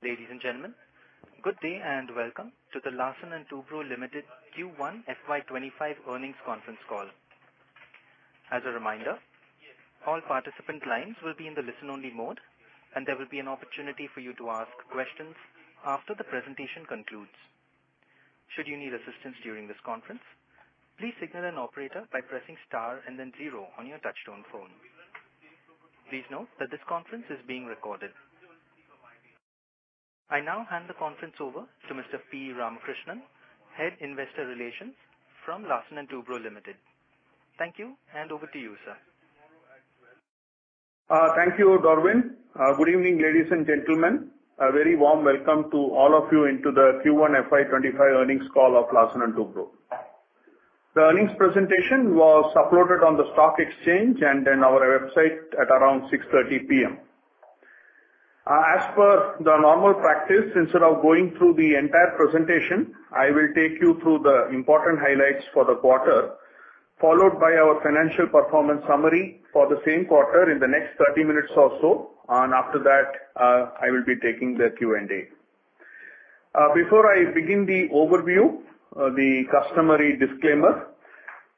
Ladies and gentlemen, good day, and welcome to the Larsen & Toubro Limited Q1 FY 2025 earnings conference call. As a reminder, all participant lines will be in the listen-only mode, and there will be an opportunity for you to ask questions after the presentation concludes. Should you need assistance during this conference, please signal an operator by pressing Star and then zero on your touchtone phone. Please note that this conference is being recorded. I now hand the conference over to Mr. P. Ramakrishnan, Head Investor Relations from Larsen & Toubro Limited. Thank you, and over to you, sir. Thank you, Darwin. Good evening, ladies and gentlemen. A very warm welcome to all of you into the Q1 FY 2025 earnings call of Larsen & Toubro. The earnings presentation was uploaded on the stock exchange and in our website at around 6:30 P.M. As per the normal practice, instead of going through the entire presentation, I will take you through the important highlights for the quarter, followed by our financial performance summary for the same quarter in the next 30 minutes or so. And after that, I will be taking the Q&A. Before I begin the overview, the customary disclaimer,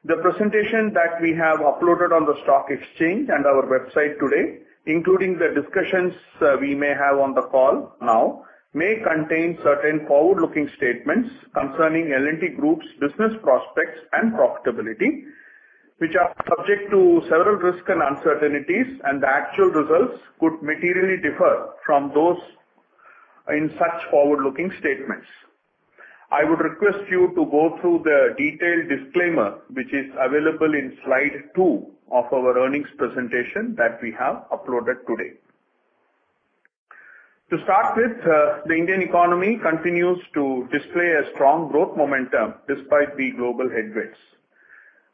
the presentation that we have uploaded on the stock exchange and our website today, including the discussions we may have on the call now, may contain certain forward-looking statements concerning L&T Group's business prospects and profitability, which are subject to several risks and uncertainties, and the actual results could materially differ from those in such forward-looking statements. I would request you to go through the detailed disclaimer, which is available in Slide 2 of our earnings presentation that we have uploaded today. To start with, the Indian economy continues to display a strong growth momentum despite the global headwinds.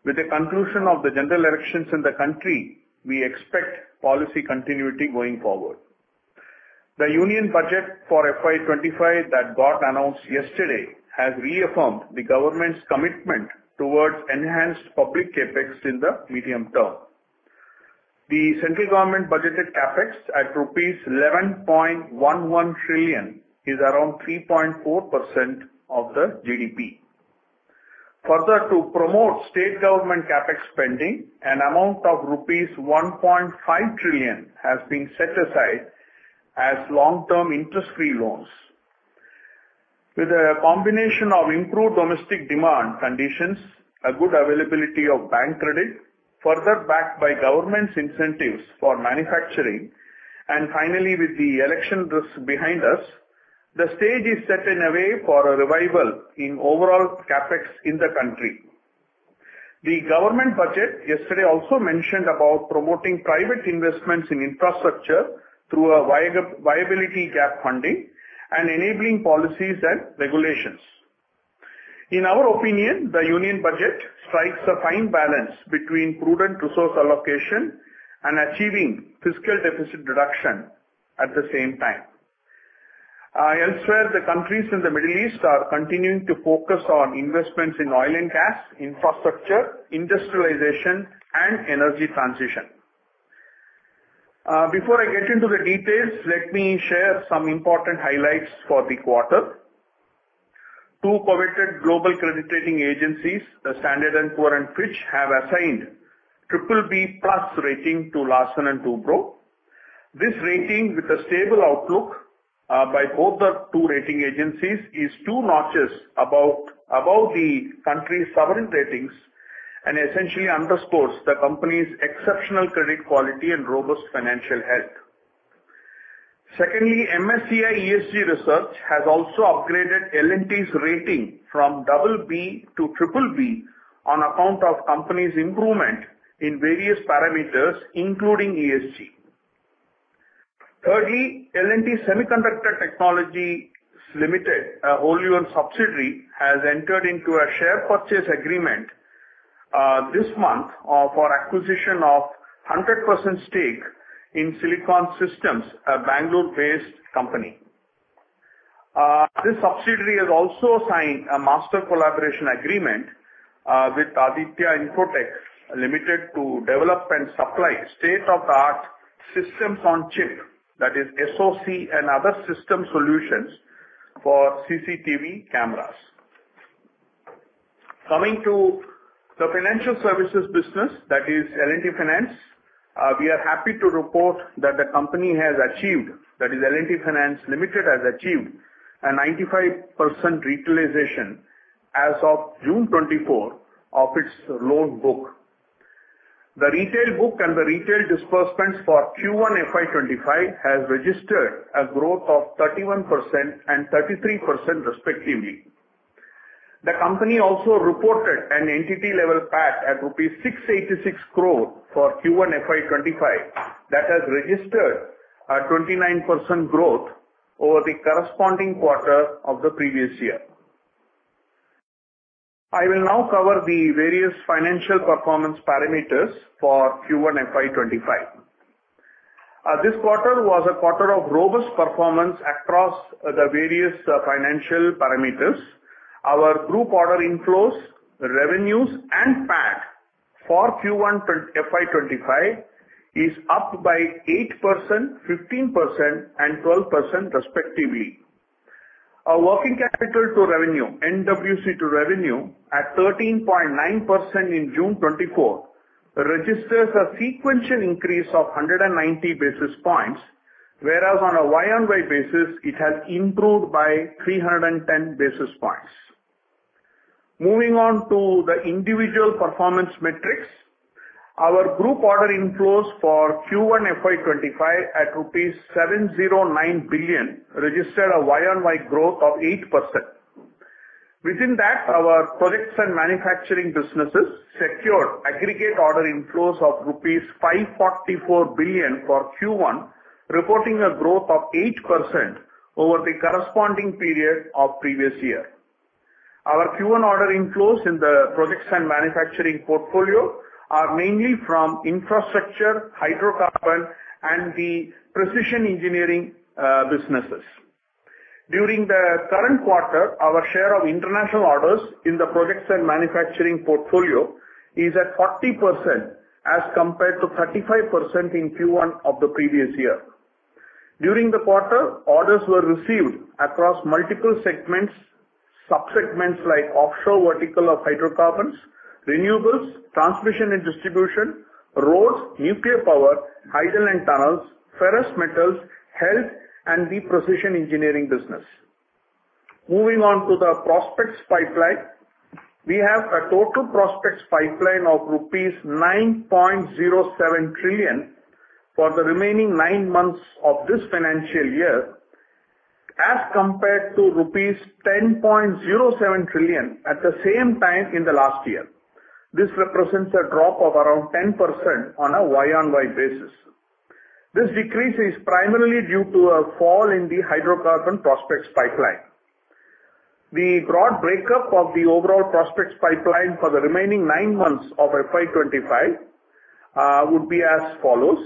With the conclusion of the general elections in the country, we expect policy continuity going forward. The union budget for FY 2025 that got announced yesterday has reaffirmed the government's commitment towards enhanced public CapEx in the medium term. The central government budgeted CapEx at rupees 11.11 trillion crore, which is around 3.4% of the GDP. Further, to promote state government CapEx spending, an amount of rupees 1.5 trillion has been set aside as long-term interest-free loans. With a combination of improved domestic demand conditions, a good availability of bank credit, further backed by government's incentives for manufacturing, and finally, with the election risk behind us, the stage is set in a way for a revival in overall CapEx in the country. The government budget yesterday also mentioned about promoting private investments in infrastructure through a viability gap funding and enabling policies and regulations. In our opinion, the Union Budget strikes a fine balance between prudent resource allocation and achieving fiscal deficit reduction at the same time. Elsewhere, the countries in the Middle East are continuing to focus on investments in oil and gas, infrastructure, industrialization, and energy transition. Before I get into the details, let me share some important highlights for the quarter. Two coveted global credit rating agencies, the Standard & Poor's and Fitch, have assigned BBB+ rating to Larsen & Toubro. This rating, with a stable outlook, by both the two rating agencies, is two notches above the country's sovereign ratings and essentially underscores the company's exceptional credit quality and robust financial health. Secondly, MSCI ESG Research has also upgraded L&T's rating from BB to BBB on account of company's improvement in various parameters, including ESG. Thirdly, L&T Semiconductor Technologies Limited, a wholly owned subsidiary, has entered into a share purchase agreement this month for acquisition of 100% stake in SiliConch Systems, a Bangalore-based company. This subsidiary has also signed a master collaboration agreement with Aditya Infotech Limited to develop and supply state-of-the-art systems on chip, that is SoC and other system solutions for CCTV cameras. Coming to the financial services business, that is L&T Finance, we are happy to report that the company has achieved, that is L&T Finance Limited, has achieved a 95% retailisation as of June 2024 of its loan book. The retail book and the retail disbursements for Q1 FY 2025 has registered a growth of 31% and 33% respectively. The company also reported an entity level PAT at rupees 686 crore for Q1 FY 2025, that has registered a 29% growth over the corresponding quarter of the previous year. I will now cover the various financial performance parameters for Q1 FY 2025. This quarter was a quarter of robust performance across the various financial parameters. Our group order inflows, revenues, and PAT for Q1 FY 2025 is up by 8%, 15%, and 12% respectively. Our working capital to revenue, NWC to revenue, at 13.9% in June 2024, registers a sequential increase of 190 basis points, whereas on a y-on-y basis, it has improved by 310 basis points. Moving on to the individual performance metrics. Our group order inflows for Q1 FY 2025 at rupees 709 billion crore, registered a y-on-y growth of 8%. Within that, our projects and manufacturing businesses secured aggregate order inflows of rupees 544 billion crore for Q1, reporting a growth of 8% over the corresponding period of previous year. Our Q1 order inflows in the projects and manufacturing portfolio are mainly from Infrastructure, Hydrocarbon, and the Precision Engineering Businesses. During the current quarter, our share of international orders in the projects and manufacturing portfolio is at 40%, as compared to 35% in Q1 of the previous year. During the quarter, orders were received across multiple segments, sub-segments like offshore vertical of Hydrocarbons, Renewables, Transmission and Distribution, Roads, Nuclear Power, Hydro and Tunnels, Ferrous Metals, Health, and the Precision Engineering Business. Moving on to the prospects pipeline. We have a total prospects pipeline of rupees 9.07 trillion crore for the remaining nine months of this financial year, as compared to rupees 10.07 trillion crore at the same time in the last year. This represents a drop of around 10% on a y-on-y basis. This decrease is primarily due to a fall in the hydrocarbon prospects pipeline. The broad breakup of the overall prospects pipeline for the remaining nine months of FY 2025 would be as follows: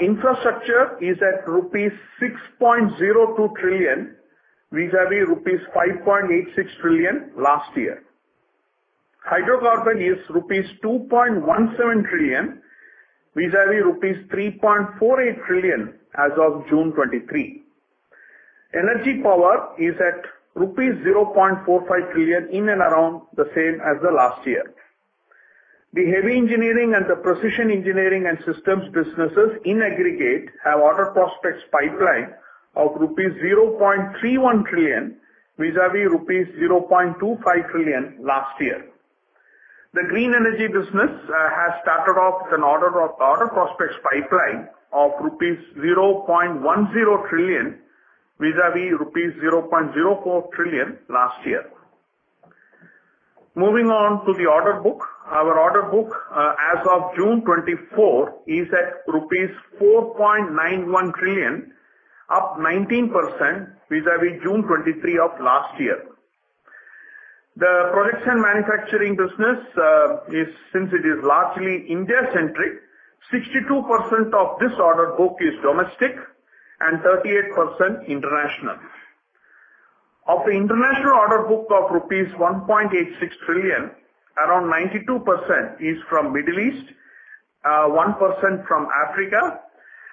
infrastructure is at rupees 6.02 trillion, vis-à-vis rupees 5.86 trillion last year. Hydrocarbon is rupees 2.17 trillion, vis-à-vis rupees 3.48 trillion as of June 2023. Energy power is at rupees 0.45 trillion, in and around the same as the last year. The heavy engineering and the precision engineering and systems businesses in aggregate have order prospects pipeline of rupees 0.31 trillion, vis-à-vis rupees 0.25 trillion last year. The Green Energy business has started off with an order prospects pipeline of rupees 0.10 trillion, vis-à-vis rupees 0.04 trillion last year. Moving on to the order book. Our order book, as of June 2024, is at rupees 4.91 trillion, up 19% vis-à-vis June 2023 of last year. The projects and manufacturing business is, since it is largely India-centric, 62% of this order book is domestic and 38% international. Of the international order book of rupees 1.86 trillion, around 92% is from Middle East, one percent from Africa,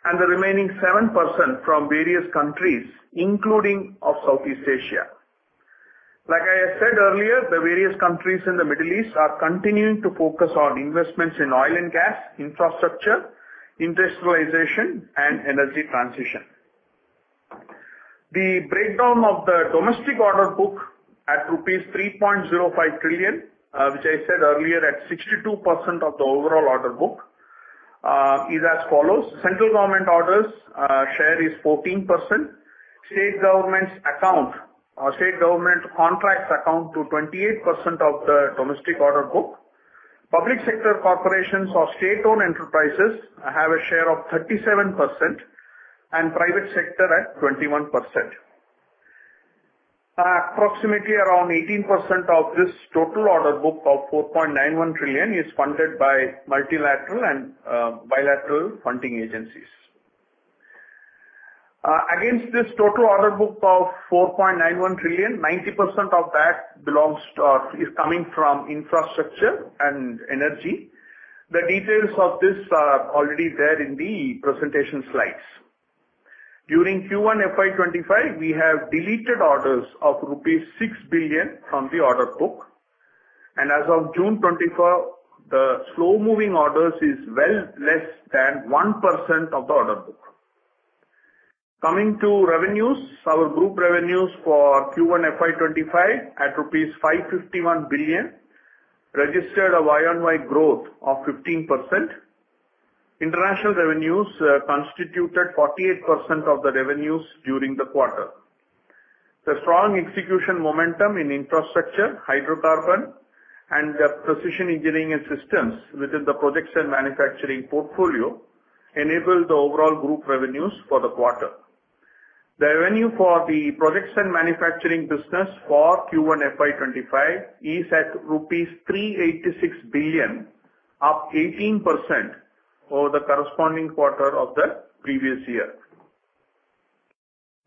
and the remaining 7% from various countries, including of Southeast Asia. Like I said earlier, the various countries in the Middle East are continuing to focus on investments in oil and gas, infrastructure, industrialization, and energy transition. The breakdown of the domestic order book at rupees 3.05 trillion, which I said earlier at 62% of the overall order book, is as follows: Central government orders share is 14%, State Government's account or State Government contracts account to 28% of the domestic order book. Public sector Corporations or State Owned Enterprises have a share of 37%, and private sector at 21%. Approximately around 18% of this total order book of 4.91 trillion is funded by multilateral and bilateral funding agencies. Against this total order book of 4.91 trillion, 90% of that belongs to or is coming from Infrastructure and Energy. The details of this are already there in the presentation slides. During Q1 FY 2025, we have deleted orders of rupees 6 billion from the order book, and as of June 2024, the slow-moving orders is well less than 1% of the order book. Coming to revenues, our group revenues for Q1 FY 2025 at rupees 551 billion, registered a y-on-y growth of 15%. International revenues constituted 48% of the revenues during the quarter. The strong execution momentum in Infrastructure, Hydrocarbon, and the Precision Engineering & Systems, which is the projects and manufacturing portfolio, enabled the overall group revenues for the quarter. The revenue for the projects and manufacturing business for Q1 FY25 is at rupees 386 billion, up 18% over the corresponding quarter of the previous year.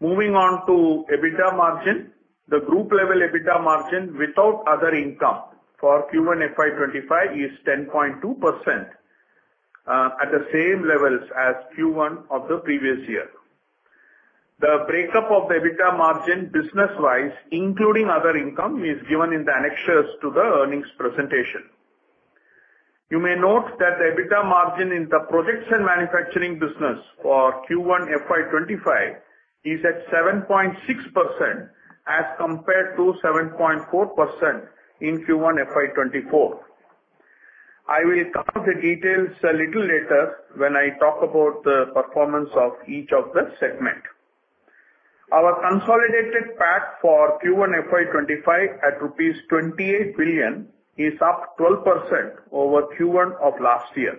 Moving on to EBITDA margin. The group level EBITDA margin without other income for Q1 FY 2025 is 10.2%, at the same levels as Q1 of the previous year. The breakup of the EBITDA margin business-wise, including other income, is given in the annexures to the earnings presentation. You may note that the EBITDA margin in the projects and manufacturing business for Q1 FY 2025 is at 7.6%, as compared to 7.4% in Q1 FY24. I will cover the details a little later when I talk about the performance of each of the segment. Our consolidated PAT for Q1 FY 2025, at rupees 28 billion, is up 12% over Q1 of last year.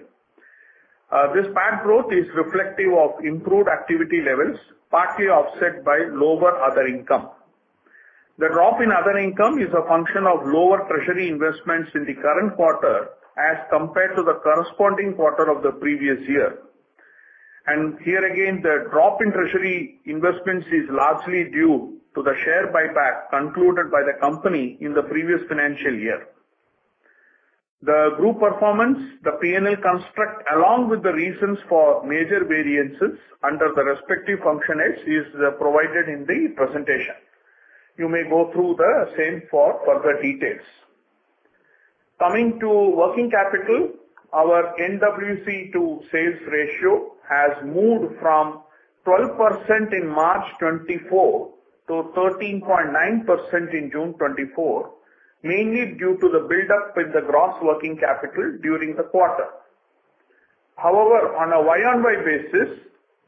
This PAT growth is reflective of improved activity levels, partly offset by lower other income. The drop in other income is a function of lower treasury investments in the current quarter, as compared to the corresponding quarter of the previous year. And here again, the drop in treasury investments is largely due to the share buyback concluded by the company in the previous financial year. The group performance, the P&L construct, along with the reasons for major variances under the respective functions, is provided in the presentation. You may go through the same for further details. Coming to working capital, our NWC to sales ratio has moved from 12% in March 2024 to 13.9% in June 2024, mainly due to the buildup in the gross working capital during the quarter. However, on a y-on-y basis,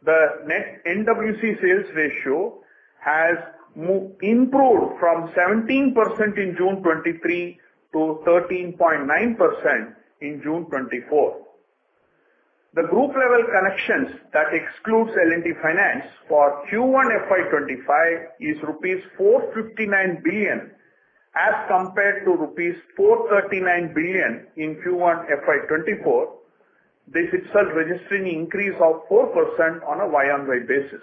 the net NWC sales ratio has improved from 17% in June 2023 to 13.9% in June 2024. The group level NWC that excludes L&T Finance for Q1 FY 2025 is rupees 459 billion, as compared to rupees 439 billion in Q1 FY 2024. This itself registering increase of 4% on a y-on-y basis.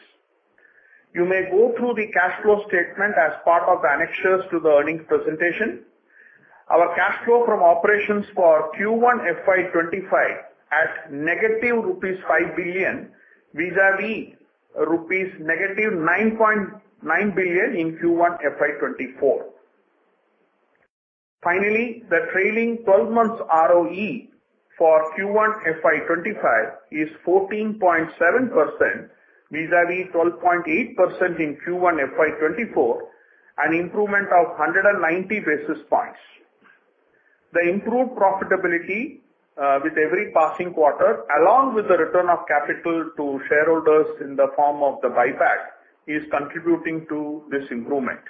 You may go through the cash flow statement as part of the annexures to the earnings presentation. Our cash flow from operations for Q1 FY 2025 at -5 billion rupees, vis-a-vis -9.9 billion rupees in Q1 FY 2024. Finally, the trailing twelve months ROE for Q1 FY 2025 is 14.7%, vis-a-vis 12.8% in Q1 FY 2024, an improvement of 190 basis points. The improved profitability, with every passing quarter, along with the return of capital to shareholders in the form of the buyback, is contributing to this improvement.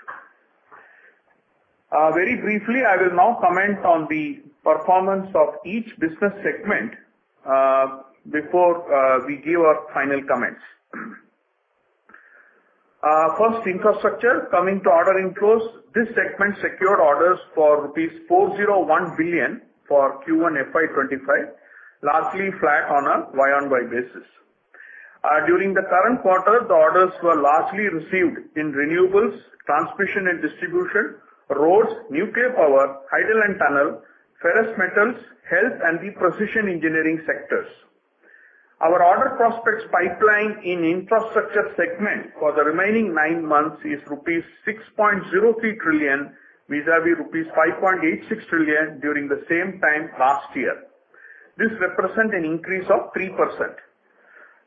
Very briefly, I will now comment on the performance of each business segment, before, we give our final comments. First, infrastructure. Coming to order inflows, this segment secured orders for rupees 401 billion for Q1 FY 2025, largely flat on a year-over-year basis. During the current quarter, the orders were largely received in Renewables, Transmission and Distribution, Roads, Nuclear Power, Hydel and Tunnel, Ferrous Metals, Health, and the Precision Engineering sectors. Our order prospects pipeline in infrastructure segment for the remaining nine months is rupees 6.03 trillion, vis-à-vis rupees 5.86 trillion during the same time last year. This represents an increase of 3%.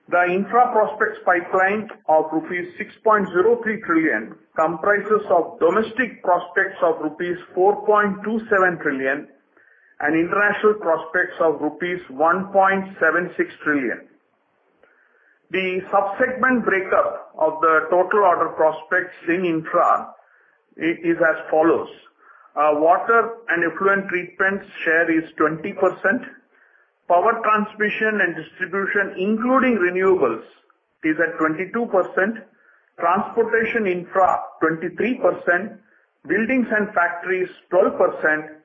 The Infra prospects pipeline of rupees 6.03 trillion comprises domestic prospects of rupees 4.27 trillion and international prospects of rupees 1.76 trillion. The sub-segment breakup of the total order prospects in infra is as follows: Water & Effluent Treatment share is 20%, Power Transmission & Distribution, including Renewables, is at 22%, Transportation Infra, 23%, Buildings & Factories, 12%,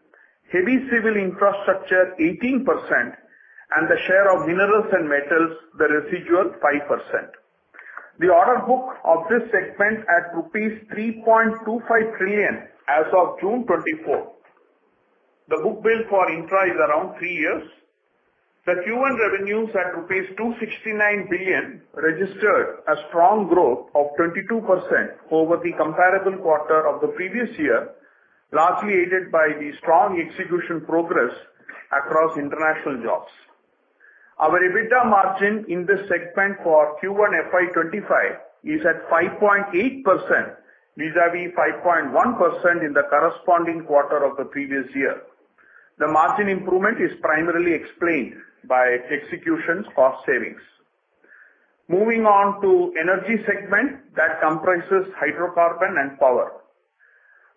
Heavy Civil Infrastructure, 18%, and the share of Minerals & Metals, the residual 5%. The order book of this segment at rupees 3.25 trillion as of June 2024. The book build for infra is around 3 years. The Q1 revenues at 269 billion rupees registered a strong growth of 22% over the comparable quarter of the previous year, largely aided by the strong execution progress across international jobs. Our EBITDA margin in this segment for Q1 FY 2025 is at 5.8%, vis-a-vis 5.1% in the corresponding quarter of the previous year. The margin improvement is primarily explained by execution cost savings. Moving on to energy segment that comprises Hydrocarbon and Power.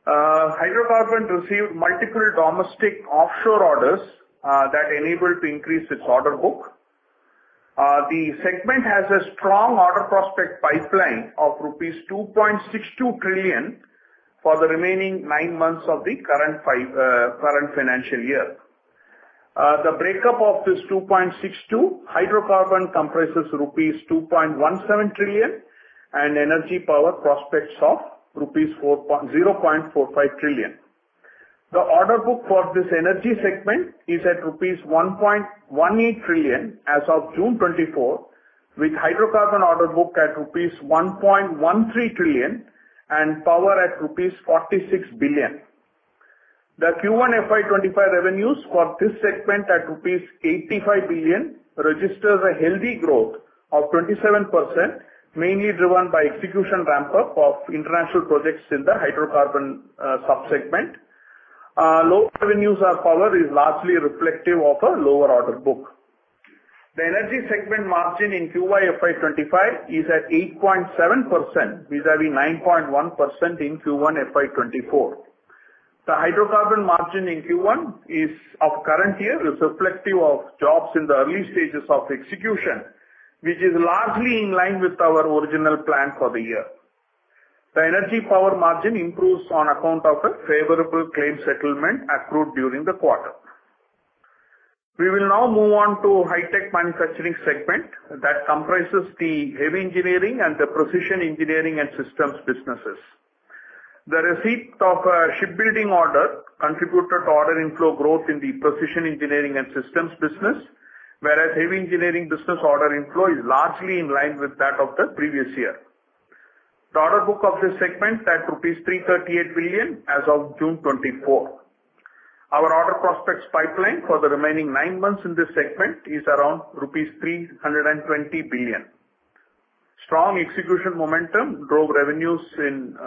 Hydrocarbon received multiple domestic offshore orders that enabled to increase its order book. The segment has a strong order prospect pipeline of rupees 2.62 trillion for the remaining 9 months of the current financial year. The breakup of this 2.62 Hydrocarbon comprises rupees 2.17 trillion and Energy Power projects of rupees 0.45 trillion. The order book for this Energy segment is at rupees 1.18 trillion as of June 2024, with Hydrocarbon order book at rupees 1.13 trillion and Power at rupees 46 billion. The Q1 FY 2025 revenues for this segment at rupees 85 billion registers a healthy growth of 27%, mainly driven by execution ramp-up of international projects in the Hydrocarbon sub-segment. Low revenues in power is largely reflective of a lower order book. The Energy segment margin in Q1 FY 2025 is at 8.7%, vis-a-vis 9.1% in Q1 FY 2024. The Hydrocarbon margin in Q1 is of current year is reflective of jobs in the early stages of execution, which is largely in line with our original plan for the year. The Energy Power margin improves on account of a favorable claim settlement accrued during the quarter. We will now move on to Hi-Tech Manufacturing segment that comprises the Heavy Engineering and the Precision Engineering & Systems businesses. The receipt of a shipbuilding order contributed to order inflow growth in the Precision Engineering & Systems business, whereas Heavy Engineering business order inflow is largely in line with that of the previous year. The order book of this segment at rupees 338 billion as of June 2024. Our order prospects pipeline for the remaining nine months in this segment is around rupees 320 billion. Strong execution momentum drove revenues in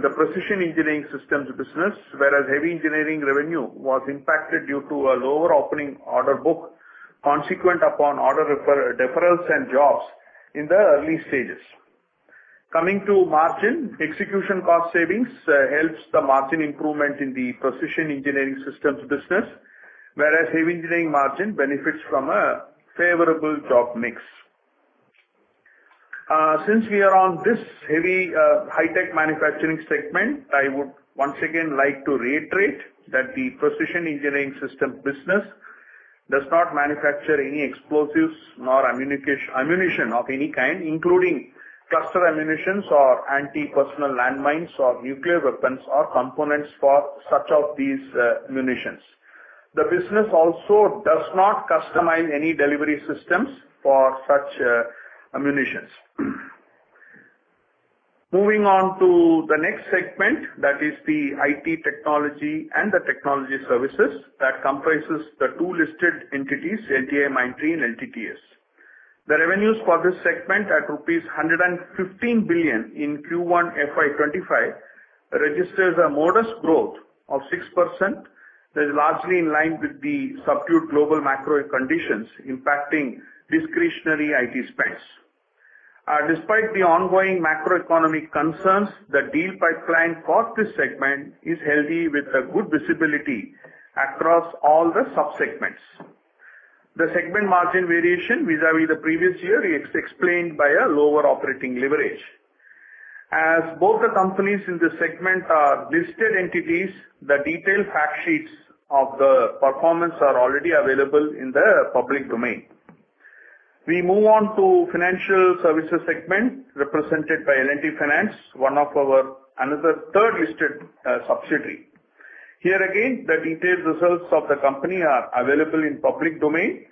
the Precision Engineering Systems business, whereas heavy engineering revenue was impacted due to a lower opening order book, consequent upon order deferrals and jobs in the early stages. Coming to margin, execution cost savings helps the margin improvement in the Precision Engineering Systems business, whereas Heavy Engineering margin benefits from a favorable job mix. Since we are on this heavy, Hi-tech Manufacturing segment, I would once again like to reiterate that the Precision Engineering & Systems business does not manufacture any explosives nor ammunition of any kind, including cluster ammunitions or anti-personnel landmines or nuclear weapons or components for such of these, munitions. The business also does not customize any delivery systems for such, ammunitions. Moving on to the next segment, that is the IT Technology and the technology services, that comprises the two listed entities, LTIMindtree and LTTS. The revenues for this segment at INR 115 billion in Q1 FY 2025, registers a modest growth of 6%, that is largely in line with the subdued global macro conditions impacting discretionary IT spends. Despite the ongoing macroeconomic concerns, the deal pipeline for this segment is healthy, with a good visibility across all the sub-segments. The segment margin variation vis-a-vis the previous year is explained by a lower operating leverage. As both the companies in this segment are listed entities, the detailed fact sheets of the performance are already available in the public domain. We move on to financial services segment, represented by L&T Finance, one of our another third listed subsidiary. Here again, the detailed results of the company are available in public domain.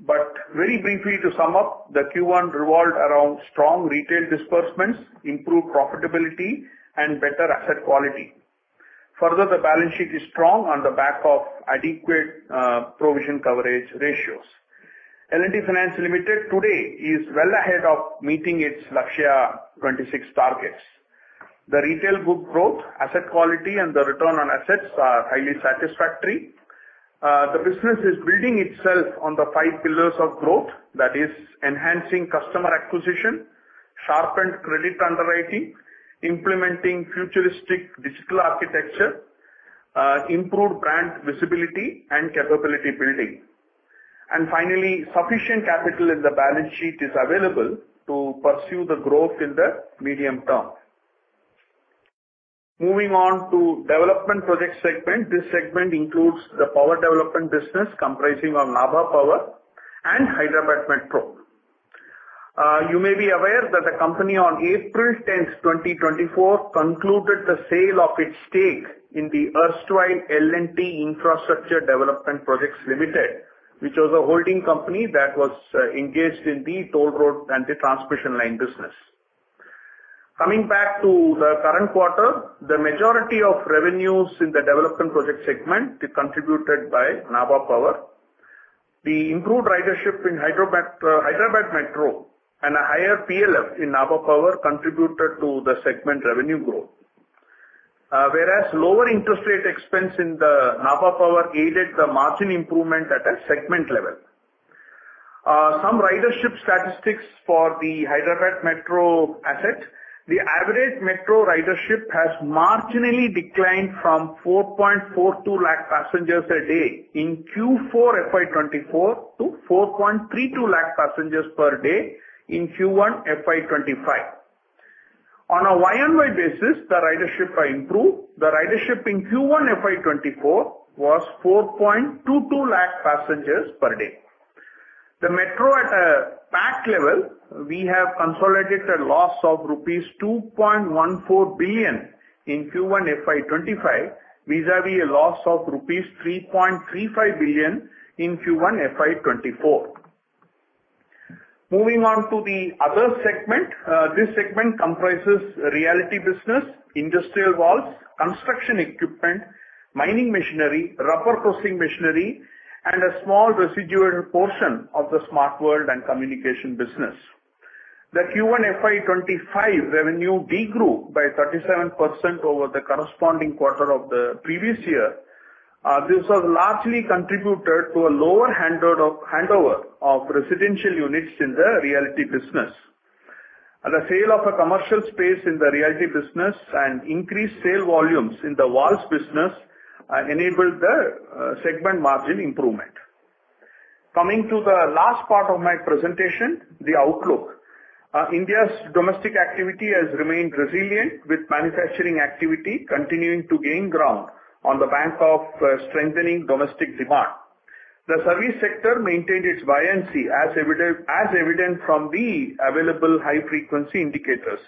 But very briefly to sum up, the Q1 revolved around strong retail disbursements, improved profitability and better asset quality. Further, the balance sheet is strong on the back of adequate provision coverage ratios. L&T Finance Limited today is well ahead of meeting its Lakshya 2026 targets. The retail book growth, asset quality and the return on assets are highly satisfactory. The business is building itself on the five pillars of growth, that is, enhancing customer acquisition, sharpened credit underwriting, implementing futuristic digital architecture, improved brand visibility and capability building. And finally, sufficient capital in the balance sheet is available to pursue the growth in the medium term. Moving on to Development Project segment. This segment includes the Power Development business comprising of Nabha Power and Hyderabad Metro. You may be aware that the company, on April 10, 2024, concluded the sale of its stake in the erstwhile L&T Infrastructure Development Projects Limited, which was a holding company that was engaged in the toll road and the transmission line business. Coming back to the current quarter, the majority of revenues in the development project segment is contributed by Nabha Power. The improved ridership in Hyderabad, Hyderabad Metro and a higher PLF in Nabha Power contributed to the segment revenue growth. Whereas lower interest rate expense in the Nabha Power aided the margin improvement at a segment level. Some ridership statistics for the Hyderabad Metro assets. The average metro ridership has marginally declined from 4.42 lakh passengers a day in Q4 FY 2024 to 4.32 lakh passengers per day in Q1 FY 2025. On a year-over-year basis, the ridership are improved. The ridership in Q1 FY 2024 was 4.22 lakh passengers per day. The metro at a pack level, we have consolidated a loss of rupees 2.14 billion in Q1 FY 2025, vis-à-vis a loss of rupees 3.35 billion in Q1 FY 2024. Moving on to the other segment. This segment comprises Realty business, Industrial Valves, Construction Equipment, Mining Machinery, Rubber Processing Machinery, and a small residual portion of the Smart World & Communication business. The Q1 FY 2025 revenue decreased by 37% over the corresponding quarter of the previous year. This was largely contributed to a lower handover of residential units in the Realty business. The sale of a commercial space in the realty business and increased sale volumes in the Valves business enabled the segment margin improvement. Coming to the last part of my presentation, the outlook. India's domestic activity has remained resilient, with manufacturing activity continuing to gain ground on the back of strengthening domestic demand. The service sector maintained its buoyancy, as evident from the available high-frequency indicators.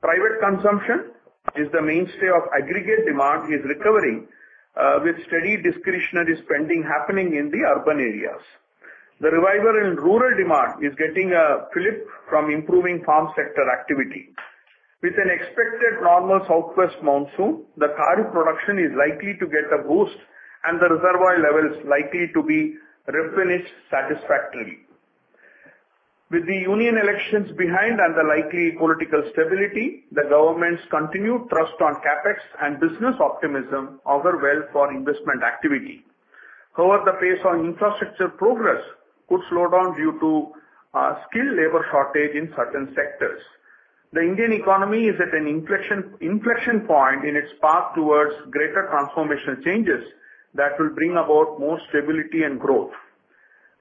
Private consumption, which is the mainstay of aggregate demand, is recovering with steady discretionary spending happening in the urban areas. The revival in rural demand is getting a flip from improving farm sector activity. With an expected normal southwest monsoon, the kharif production is likely to get a boost and the reservoir levels likely to be replenished satisfactorily. With the union elections behind and the likely political stability, the government's continued thrust on CapEx and business optimism augur well for investment activity. However, the pace on infrastructure progress could slow down due to skilled labor shortage in certain sectors. The Indian economy is at an inflection point in its path towards greater transformational changes that will bring about more stability and growth.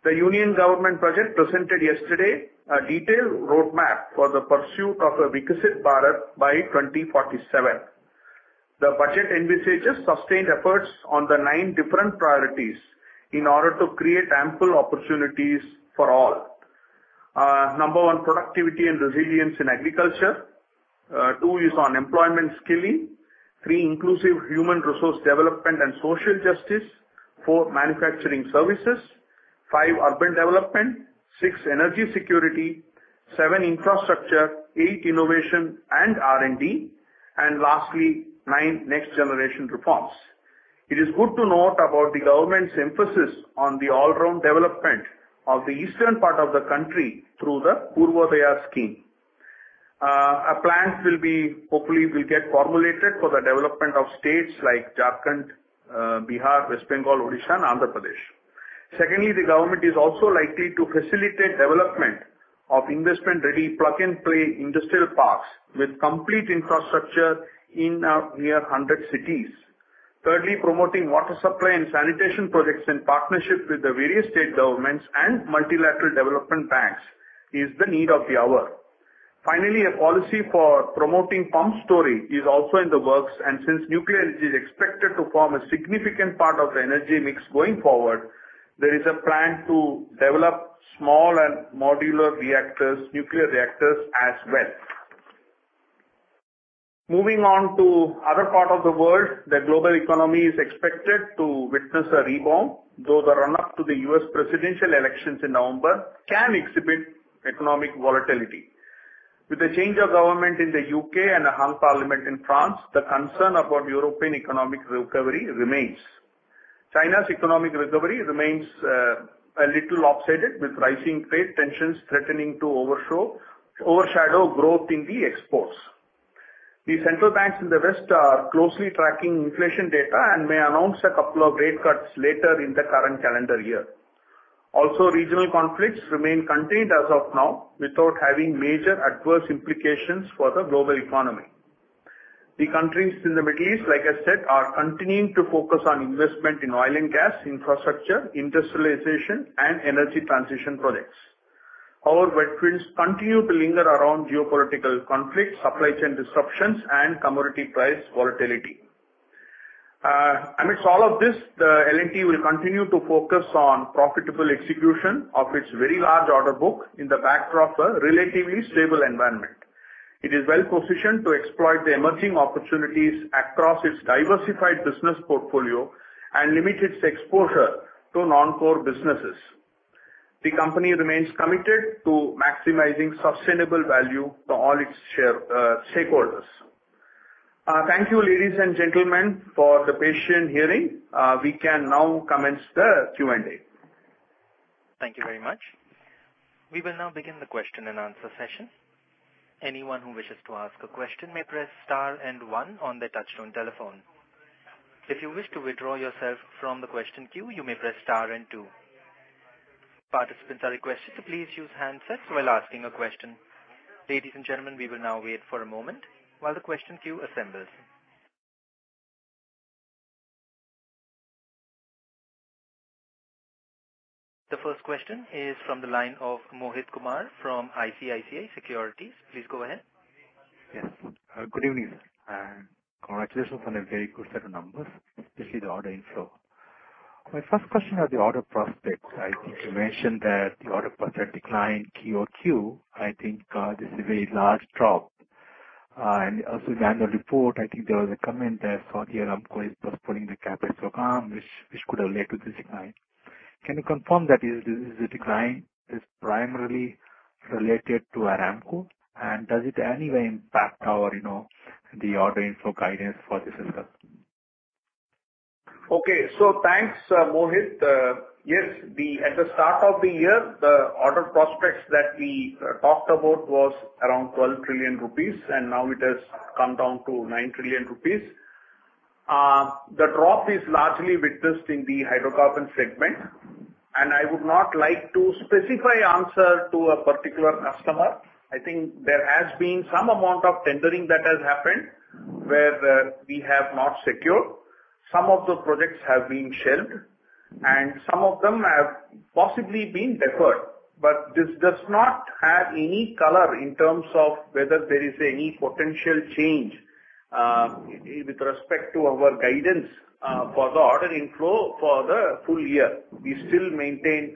The Union Government budget presented yesterday a detailed roadmap for the pursuit of a Viksit Bharat by 2047. The budget envisages sustained efforts on the nine different priorities in order to create ample opportunities for all. Number one, productivity and resilience in agriculture. Two is on employment skilling. Three, inclusive human resource development and social justice. Four, manufacturing services. Five, urban development. Six, energy security. Seven, infrastructure. Eight, innovation and R&D. And lastly, nine, next-generation reforms. It is good to note about the government's emphasis on the all-round development of the eastern part of the country through the Purvodaya Scheme. Our plans will hopefully get formulated for the development of states like Jharkhand, Bihar, West Bengal, Odisha, and Andhra Pradesh. Secondly, the government is also likely to facilitate development of investment-ready, plug-and-play industrial parks with complete infrastructure in nearly 100 cities. Thirdly, promoting water supply and sanitation projects in partnership with the various state governments and multilateral development banks is the need of the hour. Finally, a policy for promoting pump storage is also in the works, and since nuclear energy is expected to form a significant part of the energy mix going forward, there is a plan to develop small and modular reactors, nuclear reactors as well. Moving on to other parts of the world, the global economy is expected to witness a rebound, though the run-up to the U.S. presidential elections in November can exhibit economic volatility. With the change of government in the U.K. and a hung parliament in France, the concern about European economic recovery remains. China's economic recovery remains a little offset with rising trade tensions threatening to overshadow growth in the exports. The central banks in the West are closely tracking inflation data and may announce a couple of rate cuts later in the current calendar year. Also, regional conflicts remain contained as of now, without having major adverse implications for the global economy. The countries in the Middle East, like I said, are continuing to focus on investment in oil and gas, infrastructure, industrialization, and energy transition projects. However, headwinds continue to linger around geopolitical conflicts, supply chain disruptions, and commodity price volatility. Amidst all of this, the L&T will continue to focus on profitable execution of its very large order book in the backdrop of a relatively stable environment. It is well positioned to exploit the emerging opportunities across its diversified business portfolio and limit its exposure to non-core businesses. The company remains committed to maximizing sustainable value to all its share, stakeholders. Thank you, ladies and gentlemen, for the patient hearing. We can now commence the Q&A. Thank you very much. We will now begin the question-and-answer session. Anyone who wishes to ask a question may press star and one on their touchtone telephone. If you wish to withdraw yourself from the question queue, you may press star and two. Participants are requested to please use handsets while asking a question. Ladies and gentlemen, we will now wait for a moment while the question queue assembles... The first question is from the line of Mohit Kumar from ICICI Securities. Please go ahead. Yes. Good evening, and congratulations on a very good set of numbers, especially the order inflow. My first question are the order prospects. I think you mentioned that the order prospects decline q-on-q. I think this is a very large drop. And also in the annual report, I think there was a comment that Saudi Aramco is postponing the capital to come, which could have led to this decline. Can you confirm that this is a decline is primarily related to Aramco, and does it anyway impact our, you know, the order inflow guidance for this fiscal? Okay. So thanks, Mohit. Yes, the at the start of the year, the order prospects that we talked about was around 12 trillion rupees, and now it has come down to 9 trillion rupees. The drop is largely witnessed in the Hydrocarbon segment, and I would not like to specify answer to a particular customer. I think there has been some amount of tendering that has happened where we have not secured. Some of the projects have been shelved, and some of them have possibly been deferred, but this does not have any color in terms of whether there is any potential change with respect to our guidance for the order inflow for the full year. We still maintain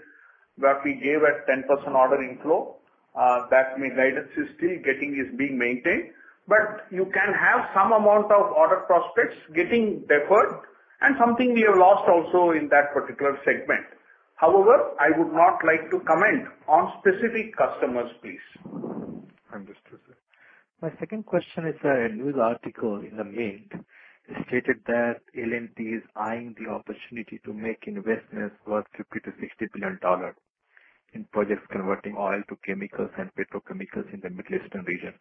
what we gave at 10% order inflow. That guidance is still getting, is being maintained, but you can have some amount of order prospects getting deferred and something we have lost also in that particular segment. However, I would not like to comment on specific customers, please. Understood, sir. My second question is a news article in the Mint. It stated that L&T is eyeing the opportunity to make investments worth $50 billion-$60 billion in projects converting oil to chemicals and petrochemicals in the Middle Eastern region.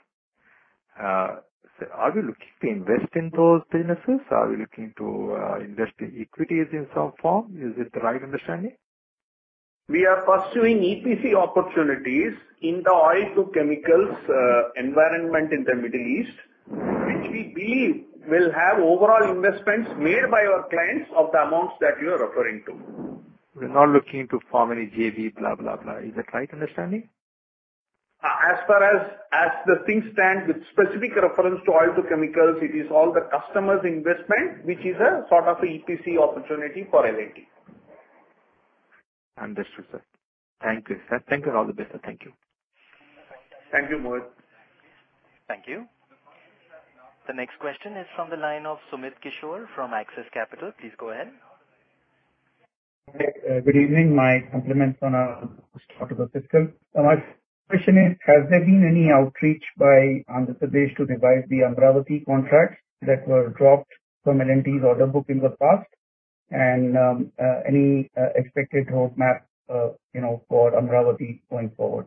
So are we looking to invest in those businesses? Are we looking to invest in equities in some form? Is it the right understanding? We are pursuing EPC opportunities in the Oil to Chemicals, environment in the Middle East, which we believe will have overall investments made by our clients of the amounts that you are referring to. We're not looking to form any JV, blah, blah, blah. Is that right understanding? As far as things stand, with specific reference to oil to chemicals, it is all the customers' investment, which is a sort of EPC opportunity for L&T. Understood, sir. Thank you, sir. Thank you, and all the best, and thank you. Thank you, Mohit. Thank you. The next question is from the line of Sumit Kishore from Axis Capital. Please go ahead. Hi, good evening. My compliments on a start of the fiscal. My question is, has there been any outreach by Andhra Pradesh to revise the Amaravati contracts that were dropped from L&T's order book in the past? And, any expected roadmap, you know, for Amaravati going forward?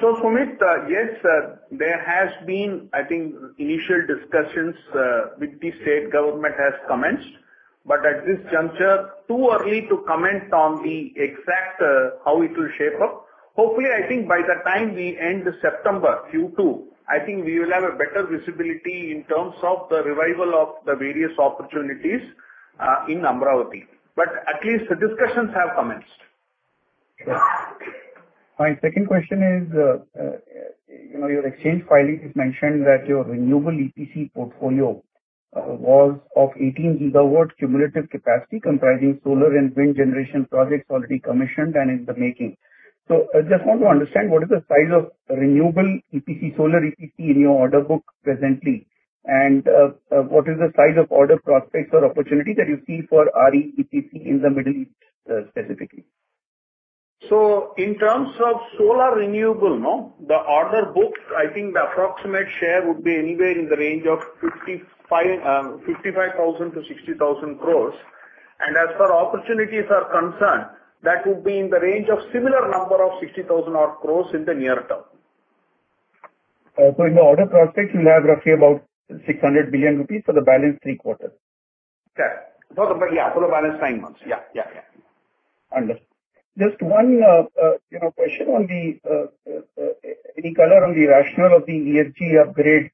So, Sumit, yes, sir, there has been, I think, initial discussions with the state government has commenced. But at this juncture, too early to comment on the exact how it will shape up. Hopefully, I think by the time we end September, Q2, I think we will have a better visibility in terms of the revival of the various opportunities in Amaravati, but at least the discussions have commenced. My second question is, you know, your exchange filing is mentioning that your renewable EPC portfolio was of 18 GW cumulative capacity, comprising solar and wind generation projects already commissioned and in the making. So I just want to understand, what is the size of renewable EPC, solar EPC in your order book presently, and what is the size of order prospects or opportunities that you see for RE EPC in the Middle East, specifically? So in terms of solar renewable, no, the order book, I think the approximate share would be anywhere in the range of 55,000-60,000 crore. And as far as opportunities are concerned, that would be in the range of a similar number of 60,000-odd crore in the near term. In the order prospects, you will have roughly about 600 billion rupees for the balance three quarters? Yeah. No, but yeah, for the balance nine months. Yeah, yeah, yeah. Understood. Just one, you know, question on any color on the rationale of the ESG upgrade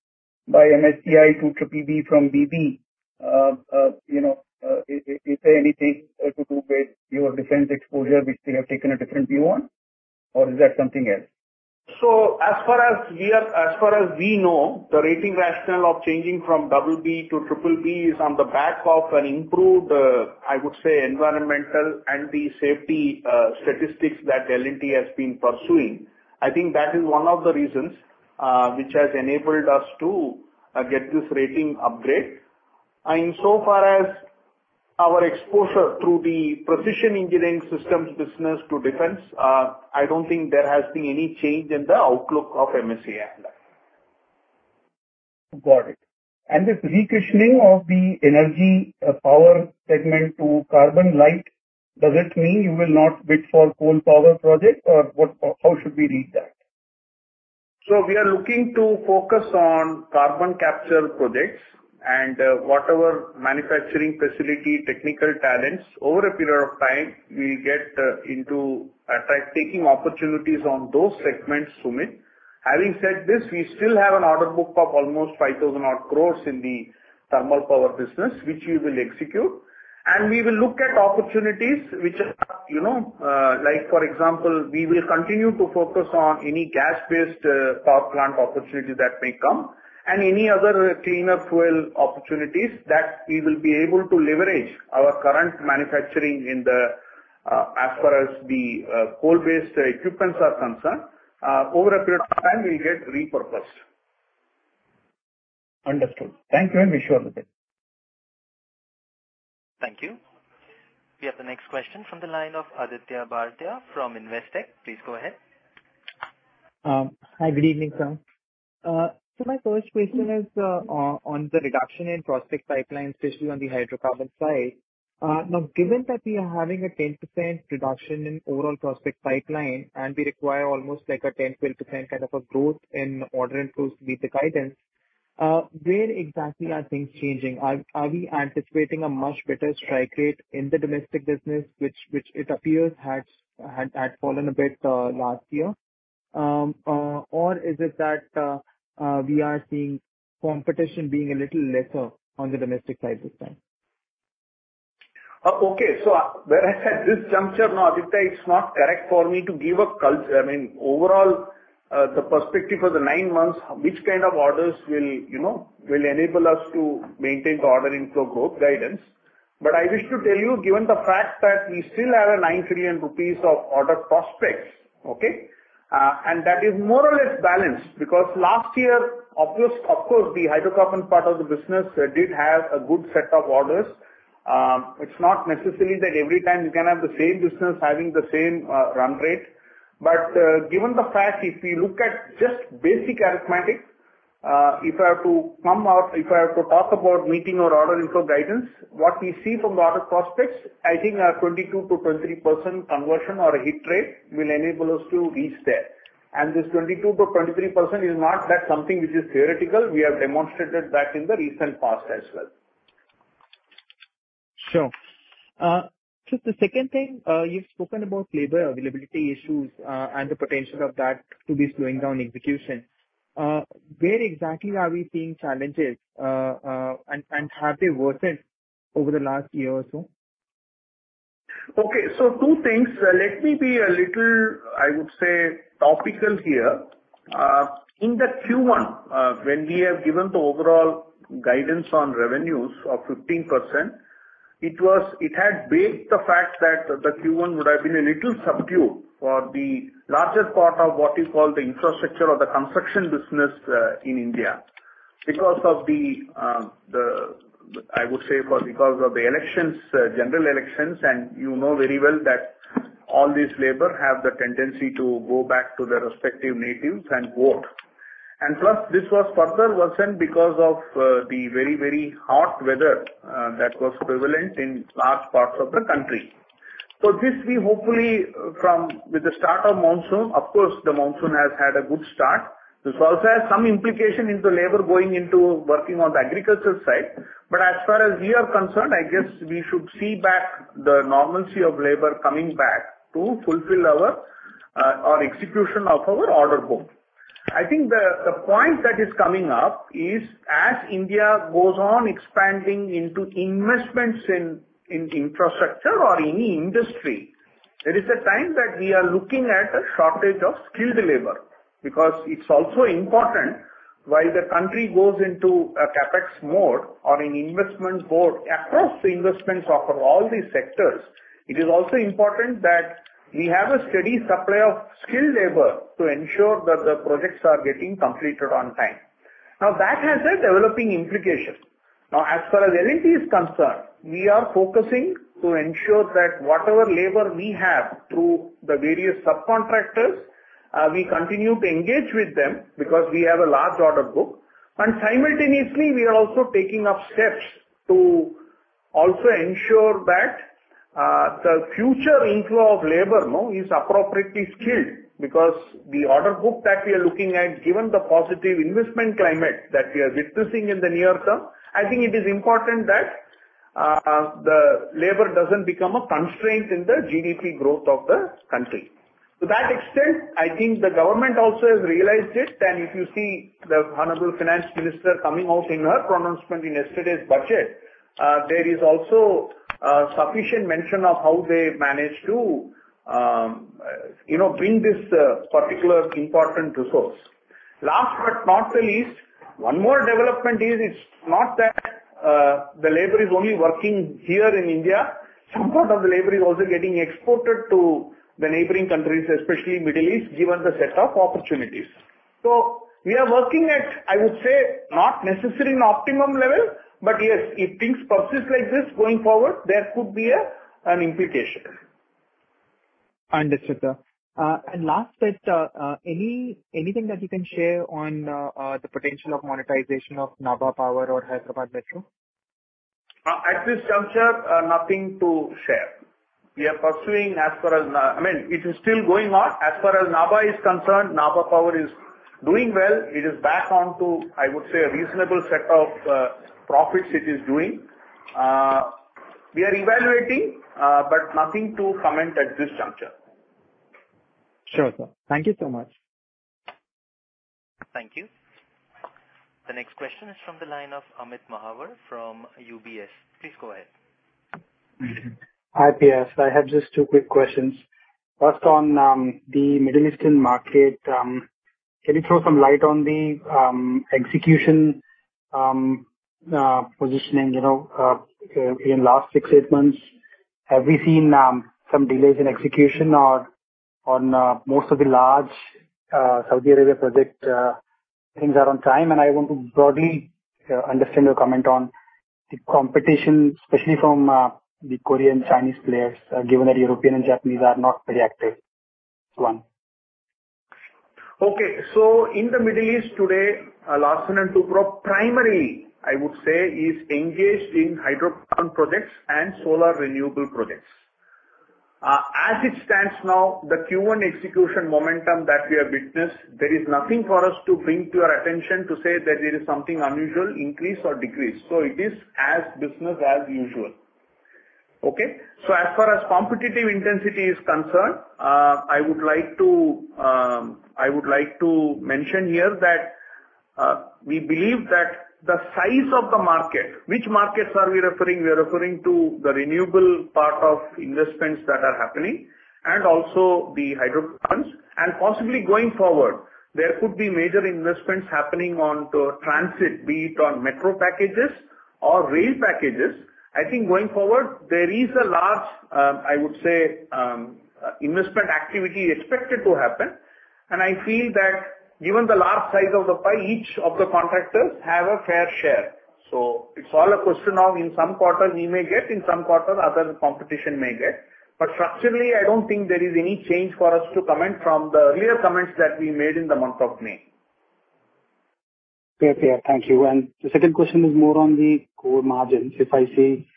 by MSCI to BBB from BB, you know, is there anything to do with your defense exposure, which they have taken a different view on, or is that something else? As far as we know, the rating rationale of changing from BB to BBB is on the back of an improved, I would say, environmental and the safety statistics that L&T has been pursuing. I think that is one of the reasons which has enabled us to get this rating upgrade. And so far as our exposure through the precision engineering systems business to defense, I don't think there has been any change in the outlook of MSCI. Got it. This repositioning of the Energy Power segment to CarbonLite, does it mean you will not bid for coal power project, or what? How should we read that? We are looking to focus on carbon capture projects and whatever manufacturing facility, technical talents, over a period of time, we get into taking opportunities on those segments, Sumit. Having said this, we still have an order book of almost 5,000 crore in the Thermal Power business, which we will execute. We will look at opportunities which are, you know, like for example, we will continue to focus on any gas-based power plant opportunity that may come, and any other cleaner fuel opportunities that we will be able to leverage our current manufacturing in the, as far as the coal-based equipment is concerned, over a period of time, we'll get repurposed. Understood. Thank you, and wish you all the best. Thank you. We have the next question from the line of Aditya Bhartia from Investec. Please go ahead. Hi, good evening, sir. So my first question is on the reduction in prospect pipeline, especially on the Hydrocarbon side. Now, given that we are having a 10% reduction in overall prospect pipeline, and we require almost like a 10%-12% kind of a growth in order inflows to beat the guidance, where exactly are things changing? Are we anticipating a much better strike rate in the domestic business, which it appears had fallen a bit last year? Or is it that we are seeing competition being a little lesser on the domestic side this time? Okay. So where I at this juncture, no, Aditya, it's not correct for me to give a cult- I mean, overall, the perspective for the nine months, which kind of orders will, you know, will enable us to maintain the order inflow growth guidance. But I wish to tell you, given the fact that we still have 9 trillion rupees of order prospects, okay? And that is more or less balanced, because last year, of course, the hydrocarbon part of the business did have a good set of orders. It's not necessarily that every time you can have the same business having the same, run rate. Given the fact, if we look at just basic arithmetic, if I have to come out, if I have to talk about meeting our order inflow guidance, what we see from the order prospects, I think a 22%-23% conversion or a hit rate will enable us to reach there. This 22%-23% is not that something which is theoretical, we have demonstrated that in the recent past as well. Sure. Just the second thing, you've spoken about labor availability issues, and the potential of that to be slowing down execution. Where exactly are we seeing challenges, and have they worsened over the last year or so? Okay, so two things. Let me be a little, I would say, topical here. In the Q1, when we have given the overall guidance on revenues of 15%, it was- it had baked the fact that the Q1 would have been a little subdued for the largest part of what you call the infrastructure or the construction business, in India. Because of the, the, I would say, for because of the elections, general elections, and you know very well that all these labor have the tendency to go back to their respective natives and vote. And plus, this was further worsened because of, the very, very hot weather, that was prevalent in large parts of the country. So this we hopefully, from, with the start of monsoon, of course, the monsoon has had a good start. This also has some implication into labor going into working on the agriculture side. But as far as we are concerned, I guess we should see back the normalcy of labor coming back to fulfill our our execution of our order book. I think the point that is coming up is as India goes on expanding into investments in infrastructure or any industry, it is the time that we are looking at a shortage of skilled labor. Because it's also important while the country goes into a CapEx mode or an investment mode, across the investments of all these sectors, it is also important that we have a steady supply of skilled labor to ensure that the projects are getting completed on time. Now, that has a developing implication. Now, as far as L&T is concerned, we are focusing to ensure that whatever labor we have through the various subcontractors, we continue to engage with them, because we have a large order book. And simultaneously, we are also taking up steps to also ensure that, the future inflow of labor now is appropriately skilled, because the order book that we are looking at, given the positive investment climate that we are witnessing in the near term, I think it is important that, the labor doesn't become a constraint in the GDP growth of the country. To that extent, I think the government also has realized it, and if you see the honorable Finance Minister coming out in her pronouncement in yesterday's budget, there is also, sufficient mention of how they managed to, you know, bring this, particular important resource. Last but not the least, one more development is, it's not that, the labor is only working here in India. Some part of the labor is also getting exported to the neighboring countries, especially Middle East, given the set of opportunities. So we are working at, I would say, not necessarily in optimum level, but yes, if things persist like this going forward, there could be a, an implication. Understood, sir. Last question, anything that you can share on the potential of monetization of Nabha Power or Hyderabad Metro?... At this juncture, nothing to share. We are pursuing as far as, I mean, it is still going on. As far as Nabha is concerned, Nabha Power is doing well. It is back on to, I would say, a reasonable set of, profits it is doing. We are evaluating, but nothing to comment at this juncture. Sure, sir. Thank you so much. Thank you. The next question is from the line of Amit Mahawar from UBS. Please go ahead. Hi, PR. I have just two quick questions. First, on the Middle Eastern market, can you throw some light on the execution, positioning, you know, in the last 6-8 months? Have we seen some delays in execution or on most of the large Saudi Arabia project things are on time? And I want to broadly understand your comment on the competition, especially from the Korean, Chinese players, given that European and Japanese are not very active. One. Okay. So in the Middle East today, Larsen & Toubro primary, I would say, is engaged in Hydrocarbon projects and Solar Renewable projects. As it stands now, the Q1 execution momentum that we have witnessed, there is nothing for us to bring to your attention to say that there is something unusual, increase or decrease. So it is as business as usual. Okay? So as far as competitive intensity is concerned, I would like to, I would like to mention here that, we believe that the size of the market, which markets are we referring? We are referring to the renewable part of investments that are happening and also the hydrocarbons. And possibly going forward, there could be major investments happening on to transit, be it on metro packages or rail packages. I think going forward, there is a large, I would say, investment activity expected to happen, and I feel that given the large size of the pie, each of the contractors have a fair share. So it's all a question of in some quarter we may get, in some quarter, other competition may get. But structurally, I don't think there is any change for us to comment from the earlier comments that we made in the month of May. Okay, thank you. And the second question is more on the core margins. If I say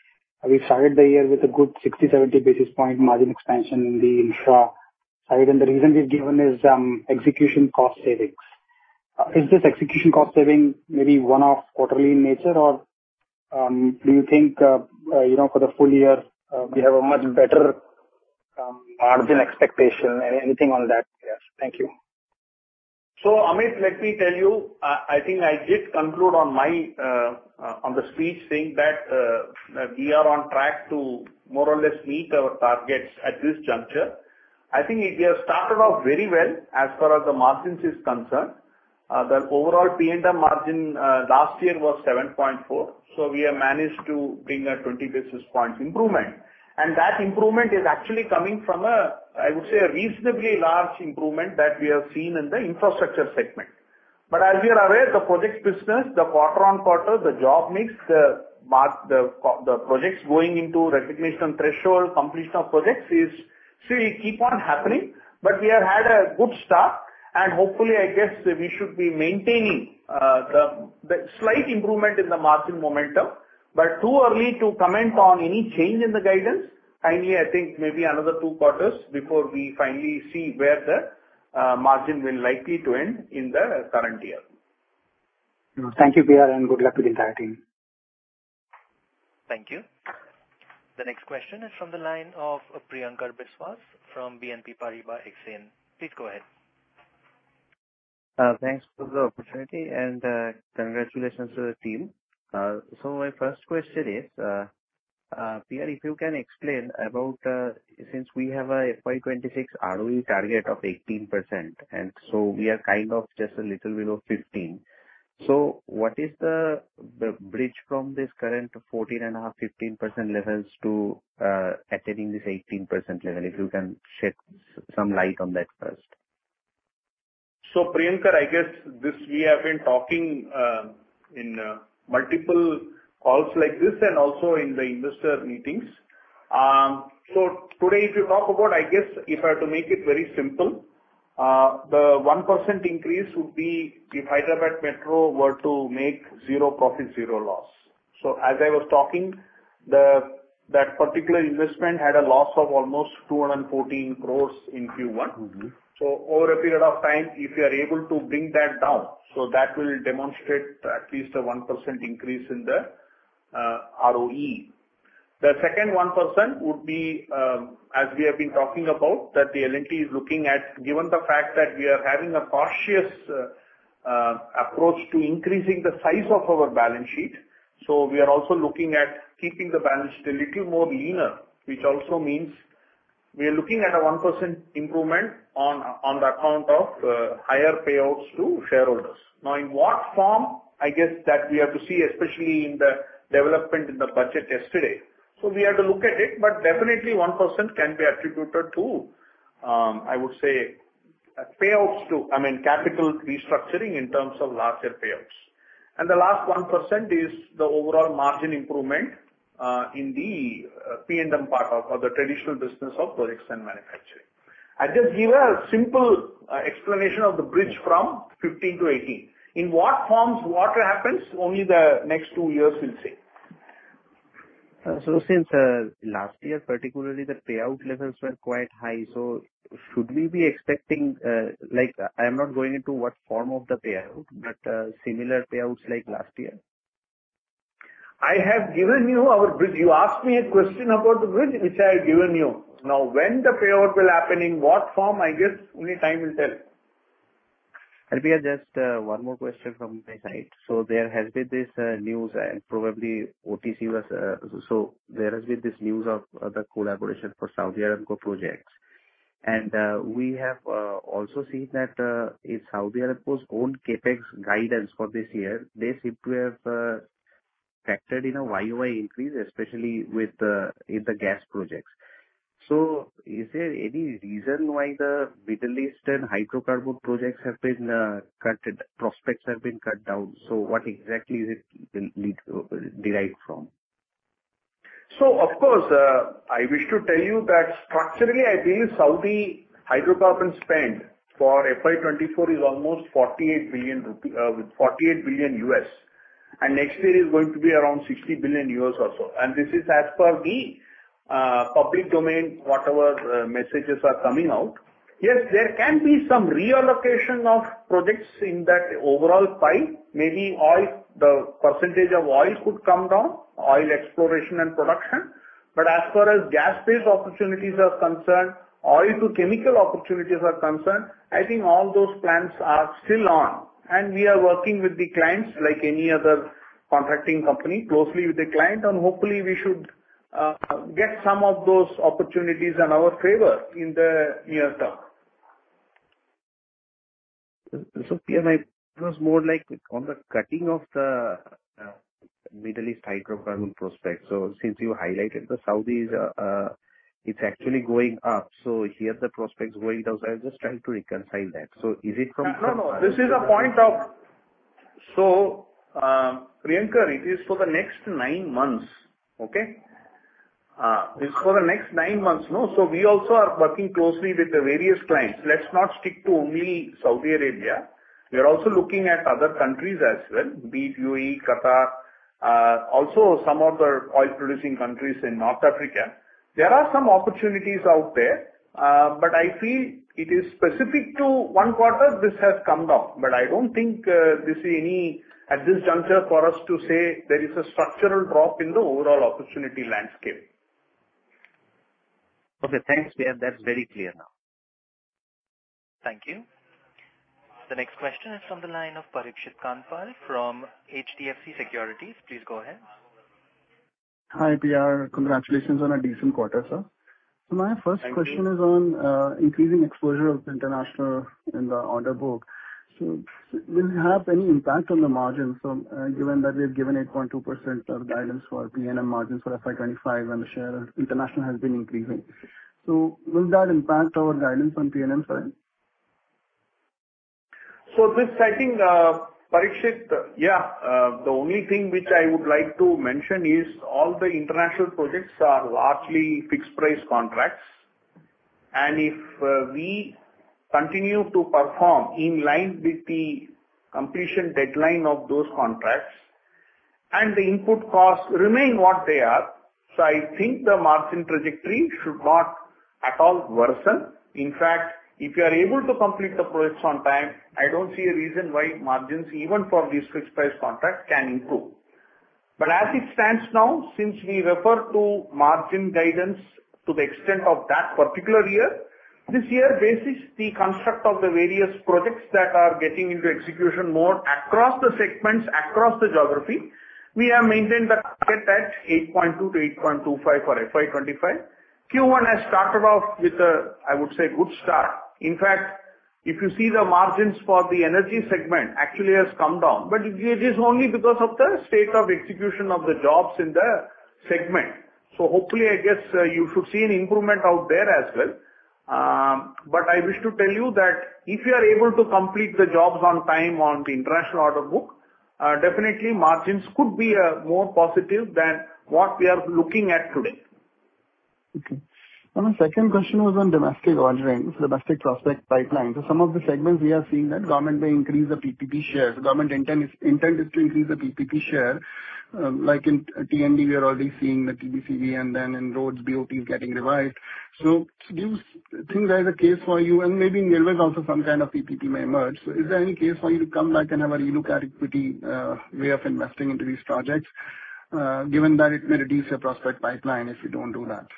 we started the year with a good 60, 70 basis point margin expansion in the infra side, and the reason we've given is execution cost savings. Is this execution cost saving maybe one-off quarterly in nature? Or, do you think, you know, for the full year, we have a much better margin expectation? Anything on that? Yes. Thank you. So, Amit, let me tell you, I think I did conclude on my, on the speech saying that, we are on track to more or less meet our targets at this juncture. I think we have started off very well as far as the margins is concerned. The overall P&M margin, last year was 7.4%, so we have managed to bring a 20 basis points improvement. And that improvement is actually coming from a, I would say, a reasonably large improvement that we have seen in the infrastructure segment. But as you're aware, the projects business, the quarter-on-quarter, the job mix, the projects going into recognition threshold, completion of projects is still keep on happening. But we have had a good start, and hopefully, I guess, we should be maintaining the slight improvement in the margin momentum, but too early to comment on any change in the guidance. Finally, I think maybe another two quarters before we finally see where the margin will likely to end in the current year. Thank you, PR, and good luck to the entire team. Thank you. The next question is from the line of Priyankar Biswas from BNP Paribas Exane. Please go ahead. Thanks for the opportunity, and congratulations to the team. So my first question is, PR, if you can explain about, since we have a FY 2026 ROE target of 18%, and so we are kind of just a little below 15. So what is the, the bridge from this current 14.5, 15% levels to, attaining this 18% level? If you can shed some light on that first. So, Priyankar, I guess, this we have been talking in multiple calls like this and also in the investor meetings. So today, if you talk about, I guess, if I have to make it very simple, the 1% increase would be if Hyderabad Metro were to make zero profit, zero loss. So as I was talking, the, that particular investment had a loss of almost 214 crore in Q1. Mm-hmm. So over a period of time, if you are able to bring that down, so that will demonstrate at least a 1% increase in the ROE. The second 1% would be, as we have been talking about, that the L&T is looking at, given the fact that we are having a cautious approach to increasing the size of our balance sheet. So we are also looking at keeping the balance sheet a little more leaner, which also means we are looking at a 1% improvement on the account of higher payouts to shareholders. Now, in what form? I guess that we have to see, especially in the development in the budget yesterday. So we have to look at it, but definitely, 1% can be attributed to, I would say, payouts to... I mean, capital restructuring in terms of larger payouts. And the last 1% is the overall margin improvement in the P&M part of the traditional business of projects and manufacturing. I just give a simple explanation of the bridge from 15% to 18%. In what forms, what happens, only the next 2 years will say. So since last year, particularly, the payout levels were quite high, so should we be expecting, like, I am not going into what form of the payout, but, similar payouts like last year? I have given you our bridge. You asked me a question about the bridge, which I have given you. Now, when the payout will happen, in what form, I guess only time will tell. We have just one more question from my side. There has been this news and probably OTC was so there has been this news of the collaboration for Saudi Aramco projects. We have also seen that in Saudi Aramco's own CapEx guidance for this year, they seem to have factored in a y-o-y increase, especially with the in the gas projects. Is there any reason why the Middle East and hydrocarbon projects have been cut prospects have been cut down? What exactly is it been led derived from? So of course, I wish to tell you that structurally, I believe Saudi hydrocarbon spend for FY 2024 is almost USD 48 billion, and next year is going to be around 60 billion or so. And this is as per the, public domain, whatever, messages are coming out. Yes, there can be some reallocation of projects in that overall pipe. Maybe oil, the percentage of oil could come down, oil exploration and production. But as far as gas-based opportunities are concerned, oil to chemical opportunities are concerned, I think all those plans are still on, and we are working with the clients, like any other contracting company, closely with the client, and hopefully, we should, get some of those opportunities in our favor in the near term. So, PR, it was more like on the cutting of the Middle East Hydrocarbon prospects. So since you highlighted the Saudis, it's actually going up, so here are the prospects going down. So I was just trying to reconcile that. So is it from- No, no. This is a point of... So, Priyankar, it is for the next nine months, okay? It's for the next nine months, no. So we also are working closely with the various clients. Let's not stick to only Saudi Arabia. We are also looking at other countries as well, be it UAE, Qatar, also some of the oil-producing countries in North Africa. There are some opportunities out there, but I feel it is specific to one quarter, this has come down. But I don't think this is any, at this juncture, for us to say there is a structural drop in the overall opportunity landscape. Okay, thanks, PR. That's very clear now. Thank you. The next question is from the line of Parikshit Kandpal from HDFC Securities. Please go ahead. Hi, PR. Congratulations on a decent quarter, sir. Thank you. So my first question is on increasing exposure of international in the order book. So will it have any impact on the margins from given that we have given 8.2% guidance for P&L margins for FY 2025, and the share of international has been increasing. So will that impact our guidance on P&L front? So this, I think, Parikshit, yeah, the only thing which I would like to mention is, all the international projects are largely fixed-price contracts. And if we continue to perform in line with the completion deadline of those contracts, and the input costs remain what they are, so I think the margin trajectory should not at all worsen. In fact, if you are able to complete the projects on time, I don't see a reason why margins, even for these fixed-price contracts, can improve. But as it stands now, since we refer to margin guidance to the extent of that particular year, this year, this is the construct of the various projects that are getting into execution mode across the segments, across the geography. We have maintained the target at 8.2% to 8.25% for FY 2025. Q1 has started off with a, I would say, good start. In fact, if you see the margins for the energy segment actually has come down, but it is only because of the state of execution of the jobs in the segment. So hopefully, I guess, you should see an improvement out there as well. But I wish to tell you that if you are able to complete the jobs on time on the international order book, definitely margins could be more positive than what we are looking at today. Okay. And my second question was on domestic orderings, domestic prospect pipeline. So some of the segments we are seeing that government may increase the PPP share. The government intent is, intent is to increase the PPP share. Like in T&D, we are already seeing the TBCV, and then in roads, BOT is getting revised. So do you think there's a case for you, and maybe in railways also, some kind of PPP may emerge. So is there any case for you to come back and have a relook at equity way of investing into these projects, given that it may reduce your prospect pipeline if you don't do that?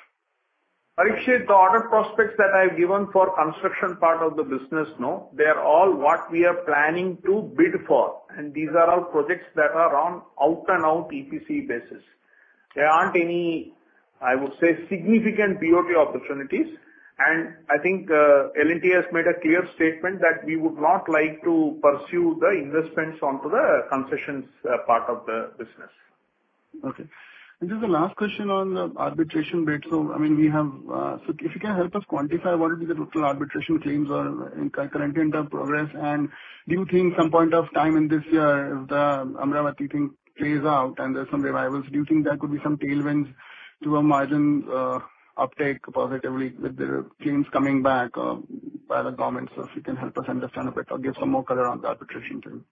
Parikshit, the order prospects that I've given for construction part of the business, you know, they are all what we are planning to bid for, and these are all projects that are on out and out EPC basis. There aren't any, I would say, significant BOT opportunities, and I think L&T has made a clear statement that we would not like to pursue the investments onto the concessions part of the business. Okay. And just the last question on the arbitration bit. So, I mean, So if you can help us quantify what is the total arbitration claims are in, currently under progress, and do you think some point of time in this year, if the Amravati thing plays out and there's some revivals, do you think there could be some tailwinds to a margin, uptake positively with the claims coming back, by the government? So if you can help us understand a bit or give some more color on the arbitration team.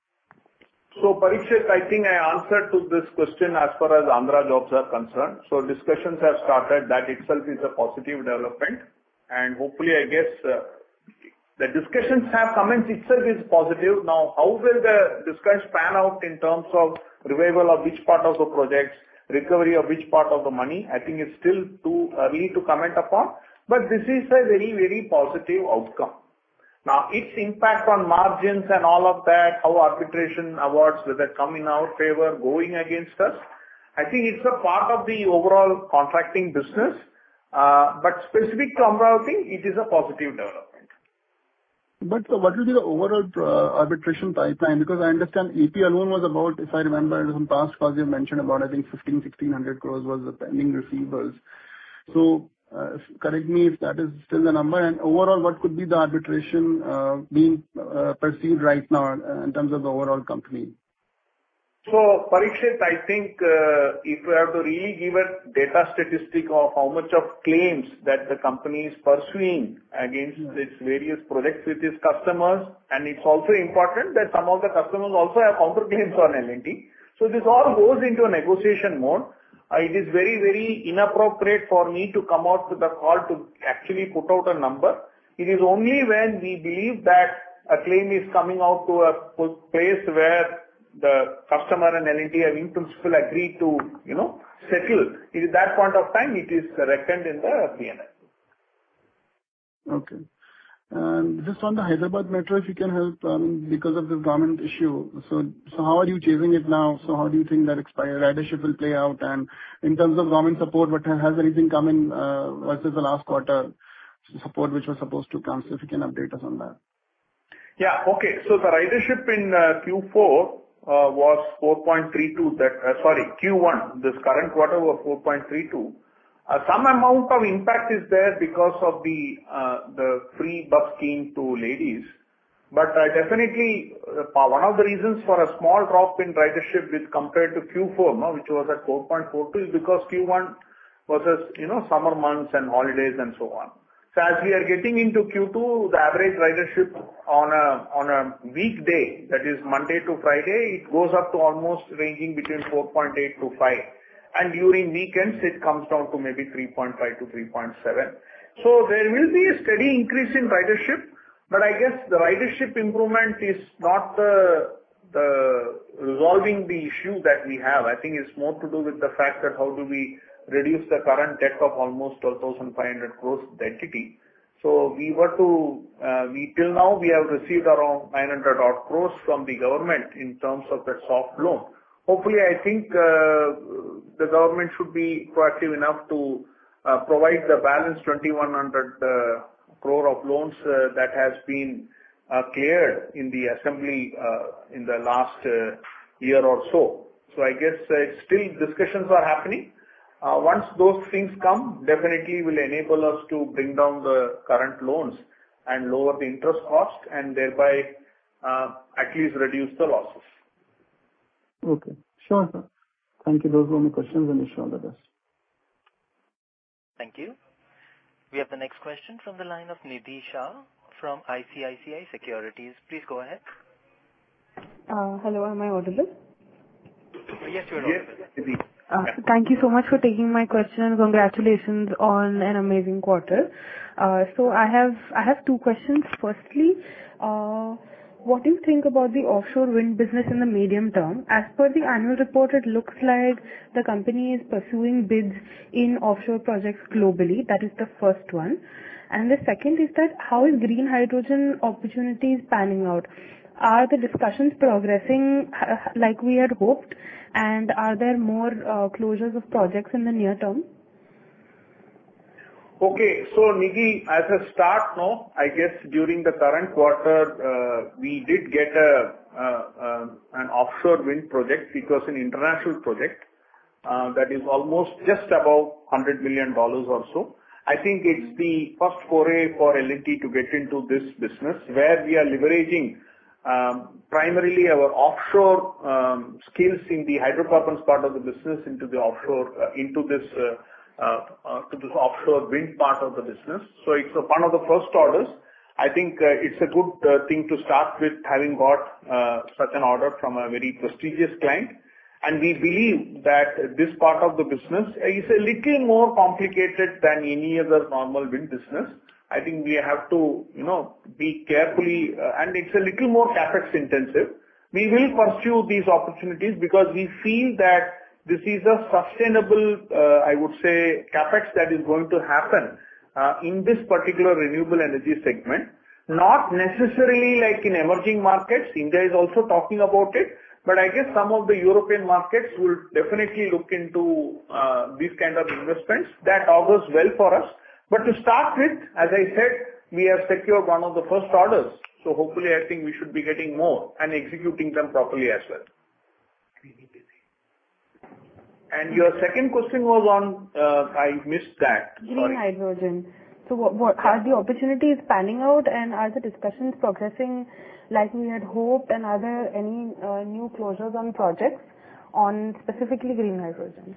So, Parikshit, I think I answered to this question as far as Amravati jobs are concerned. So discussions have started, that itself is a positive development, and hopefully, I guess, the discussions have commenced itself is positive. Now, how will the discussions pan out in terms of revival of which part of the projects, recovery of which part of the money? I think it's still too early to comment upon, but this is a very, very positive outcome. Now, its impact on margins and all of that, how arbitration awards, whether come in our favor, going against us, I think it's a part of the overall contracting business, but specific to Amravati thing, it is a positive development. But what will be the overall arbitration pipeline? Because I understand AP alone was about, if I remember, it was in past calls you mentioned about, I think 1,500 crore-1,600 crore was the pending receivables. So, correct me if that is still the number, and overall, what could be the arbitration being perceived right now in terms of the overall company? So, Parikshit, I think, if we have to really give a data statistic of how much of claims that the company is pursuing against its various projects with its customers, and it's also important that some of the customers also have counterclaims on L&T. So this all goes into a negotiation mode. It is very, very inappropriate for me to come out with the call to actually put out a number. It is only when we believe that a claim is coming out to a place where the customer and L&T are in principle agreed to, you know, settle. It is that point of time, it is reckoned in the P&L. Okay. And just on the Hyderabad Metro, if you can help, because of the government issue. So how are you chasing it now? So how do you think that expected ridership will play out? And in terms of government support, what has anything come in versus the last quarter, support which was supposed to come? So if you can update us on that. Yeah. Okay. So the ridership in Q4 was 4.32. Sorry, Q1, this current quarter, was 4.32. Some amount of impact is there because of the free bus scheme to ladies. But definitely one of the reasons for a small drop in ridership is compared to Q4, you know, which was at 4.42, is because Q1 was, as you know, summer months and holidays and so on. So as we are getting into Q2, the average ridership on a weekday, that is Monday to Friday, it goes up to almost ranging between 4.8 - 5, and during weekends, it comes down to maybe 3.5 - 3.7. So there will be a steady increase in ridership, but I guess the ridership improvement is not the resolving the issue that we have. I think it's more to do with the fact that how do we reduce the current debt of almost 12,500 crore, the entity. So till now, we have received around 900 crore from the government in terms of the soft loan. Hopefully, I think the government should be proactive enough to provide the balance 2,100 crore of loans that has been cleared in the assembly in the last year or so. So I guess still discussions are happening. Once those things come, definitely will enable us to bring down the current loans and lower the interest cost, and thereby at least reduce the losses. Okay. Sure, sir. Thank you. Those were my questions, and wish you all the best. Thank you. We have the next question from the line of Nidhi Shah from ICICI Securities. Please go ahead. Hello, am I audible? Yes, you are audible. Yes, Nidhi. Thank you so much for taking my question, and congratulations on an amazing quarter. So I have two questions. Firstly, what do you think about the offshore wind business in the medium term? As per the annual report, it looks like the company is pursuing bids in offshore projects globally. That is the first one. And the second is that, how is Green Hydrogen opportunities panning out? Are the discussions progressing, like we had hoped, and are there more closures of projects in the near term? Okay. So, Nidhi, as a start now, I guess during the current quarter, we did get an offshore wind project. It was an international project, that is almost just above $100 million or so. I think it's the first foray for L&T to get into this business, where we are leveraging, primarily our offshore skills in the hydrocarbons part of the business into the offshore, into this to this offshore wind part of the business. So it's one of the first orders. I think, it's a good thing to start with, having got such an order from a very prestigious client. And we believe that this part of the business is a little more complicated than any other normal wind business. I think we have to, you know, be carefully. And it's a little more CapEx intensive. We will pursue these opportunities because we feel that this is a sustainable, I would say, CapEx, that is going to happen, in this particular renewable energy segment. Not necessarily like in emerging markets, India is also talking about it, but I guess some of the European markets will definitely look into, these kind of investments. That augurs well for us. But to start with, as I said, we have secured one of the first orders, so hopefully, I think we should be getting more and executing them properly as well. And your second question was on, I missed that, sorry. Green hydrogen. So what, are the opportunities panning out, and are the discussions progressing like we had hoped, and are there any new closures on projects on specifically green hydrogen?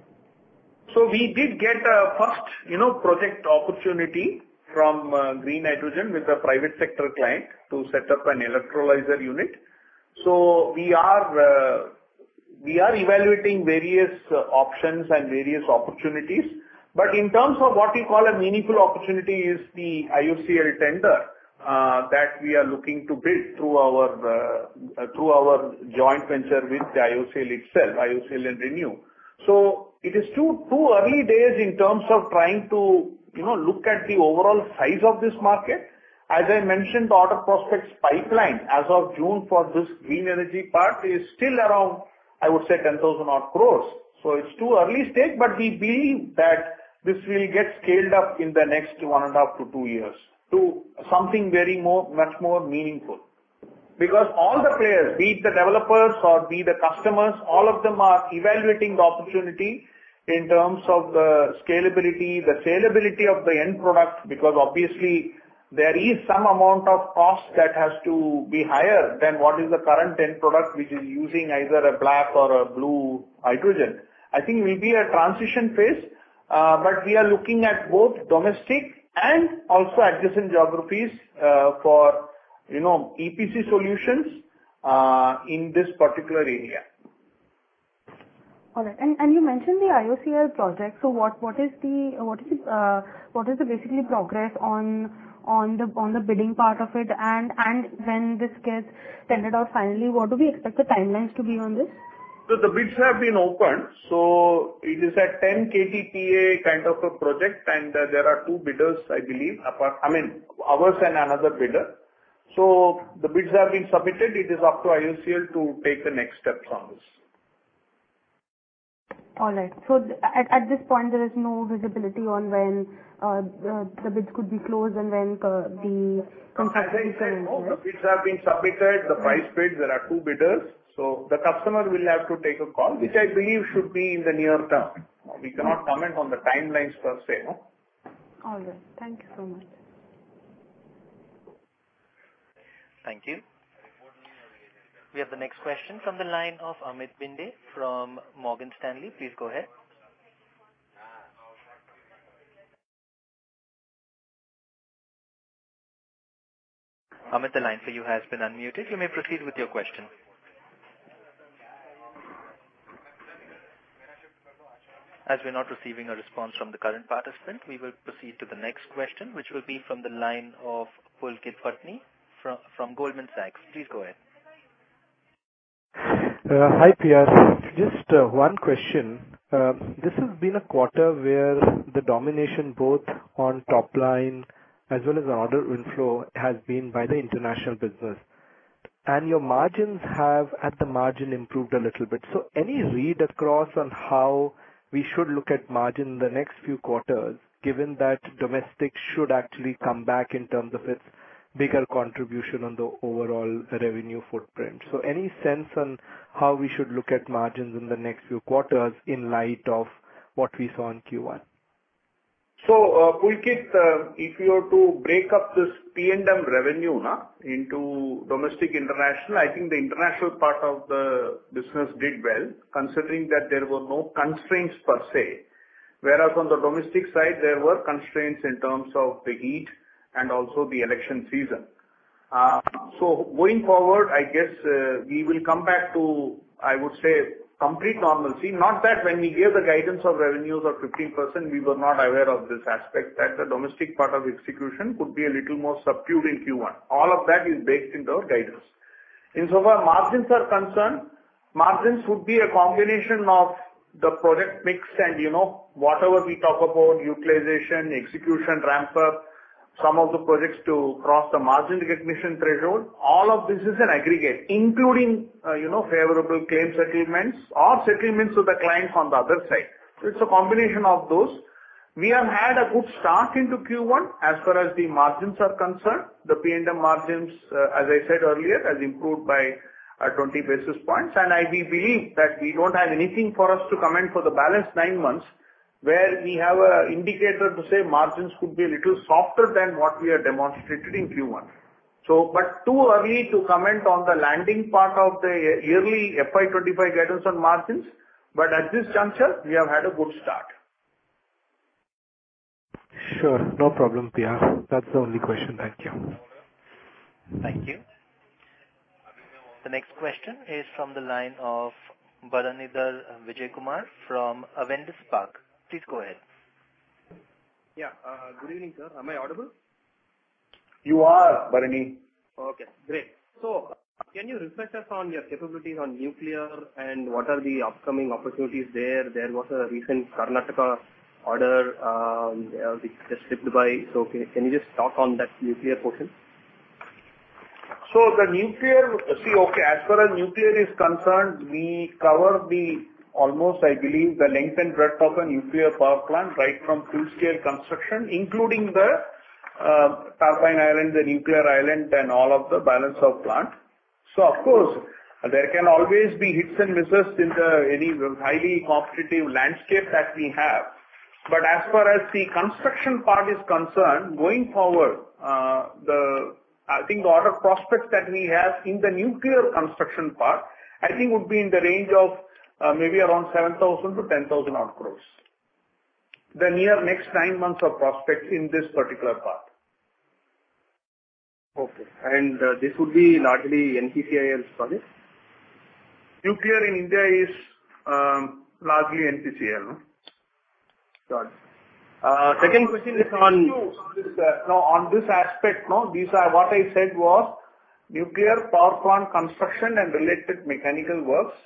So we did get a first, you know, project opportunity from green hydrogen with a private sector client to set up an electrolyzer unit. So we are, we are evaluating various options and various opportunities. But in terms of what we call a meaningful opportunity is the IOCL tender that we are looking to bid through our, through our joint venture with the IOCL itself, IOCL and ReNew. So it is too, too early days in terms of trying to, you know, look at the overall size of this market. As I mentioned, the order prospects pipeline as of June for this green energy part is still around, I would say, 10,000 crore. So it's too early stage, but we believe that this will get scaled up in the next 1.5 to 2 years, to something very more, much more meaningful. Because all the players, be it the developers or be the customers, all of them are evaluating the opportunity in terms of scalability, the scalability of the end product, because obviously there is some amount of cost that has to be higher than what is the current end product, which is using either a black or a blue hydrogen. I think we'll be a transition phase, but we are looking at both domestic and also adjacent geographies for, you know, EPC solutions in this particular area. All right. And you mentioned the IOCL project. So what is basically the progress on the bidding part of it? And when this gets tendered out finally, what do we expect the timelines to be on this? So the bids have been opened, so it is a 10 KTPA kind of a project, and there are two bidders, I believe, apart... I mean, ours and another bidder. So the bids have been submitted. It is up to IOCL to take the next steps on this. All right. So at this point, there is no visibility on when the bids could be closed and when the contract is in? As I said, the bids have been submitted, the price bids, there are two bidders, so the customer will have to take a call, which I believe should be in the near term. We cannot comment on the timelines per se, no. All right. Thank you so much. Thank you. We have the next question from the line of Amit Binde from Morgan Stanley. Please go ahead. Amit, the line for you has been unmuted. You may proceed with your question. As we're not receiving a response from the current participant, we will proceed to the next question, which will be from the line of Pulkit Patni from Goldman Sachs. Please go ahead. Hi, PR. Just one question. This has been a quarter where the domination, both on top line as well as order inflow, has been by the international business, and your margins have, at the margin, improved a little bit. So any read across on how we should look at margin in the next few quarters, given that domestic should actually come back in terms of its bigger contribution on the overall revenue footprint? So any sense on how we should look at margins in the next few quarters in light of what we saw in Q1? So, Pulkit, if you were to break up this P&M revenue now into domestic, international, I think the international part of the business did well, considering that there were no constraints per se. Whereas on the domestic side, there were constraints in terms of the heat and also the election season. So going forward, I guess, we will come back to, I would say, complete normalcy. Not that when we gave the guidance of revenues of 15%, we were not aware of this aspect, that the domestic part of execution could be a little more subdued in Q1. All of that is based in the guidance. Insofar as margins are concerned, margins would be a combination of the project mix and, you know, whatever we talk about, utilization, execution, ramp-up, some of the projects to cross the margin recognition threshold. All of this is an aggregate, including, you know, favorable claim settlements or settlements with the clients on the other side. It's a combination of those. We have had a good start into Q1 as far as the margins are concerned. The P&M margins, as I said earlier, has improved by 20 basis points. And I, we believe that we don't have anything for us to comment for the balance nine months, where we have a indicator to say margins could be a little softer than what we have demonstrated in Q1. So, but too early to comment on the landing part of the yearly FY 2025 guidance on margins. But at this juncture, we have had a good start. Sure. No problem, Piyush. That's the only question. Thank you. Thank you. The next question is from the line of Bharanidhar Vijayakumar from Avendus Spark. Please go ahead. Yeah. Good evening, sir. Am I audible? You are Barani. Okay, great. So can you reflect us on your capabilities on nuclear and what are the upcoming opportunities there? There was a recent Karnataka order, which just slipped by. So can you just talk on that nuclear portion? So the nuclear. See, okay, as far as nuclear is concerned, we cover almost, I believe, the length and breadth of a nuclear power plant, right from full-scale construction, including the turbine island, the nuclear island, and all of the balance of plant. So of course, there can always be hits and misses in any highly competitive landscape that we have. But as far as the construction part is concerned, going forward, I think the order prospects that we have in the nuclear construction part, I think would be in the range of, maybe around 7,000 to 10,000 crores. The near next nine months of prospects in this particular part. Okay. And, this would be largely NPCIL's project? Nuclear in India is largely NPCIL. Got it. Second question is on- No, on this aspect, no, these are what I said was nuclear power plant construction and related mechanical works.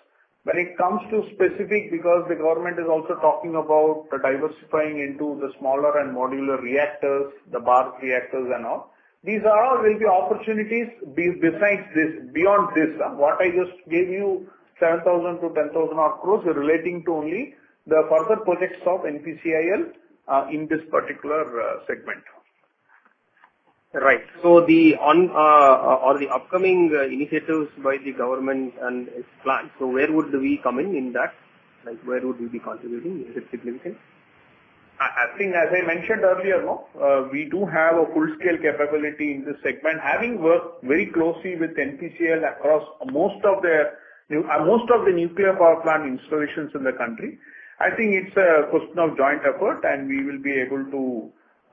When it comes to specific, because the government is also talking about diversifying into the smaller and modular reactors, the BARC reactors and all, these are all will be opportunities besides this, beyond this. What I just gave you, 7,000 to 10,000 odd crore, relating to only the further projects of NPCIL, in this particular, segment. Right. So the on, or the upcoming initiatives by the government and its plan, so where would we come in, in that? Like, where would we be contributing? Is it significant? I think as I mentioned earlier, no, we do have a full-scale capability in this segment, having worked very closely with NPCIL across most of the nuclear power plant installations in the country. I think it's a question of joint effort, and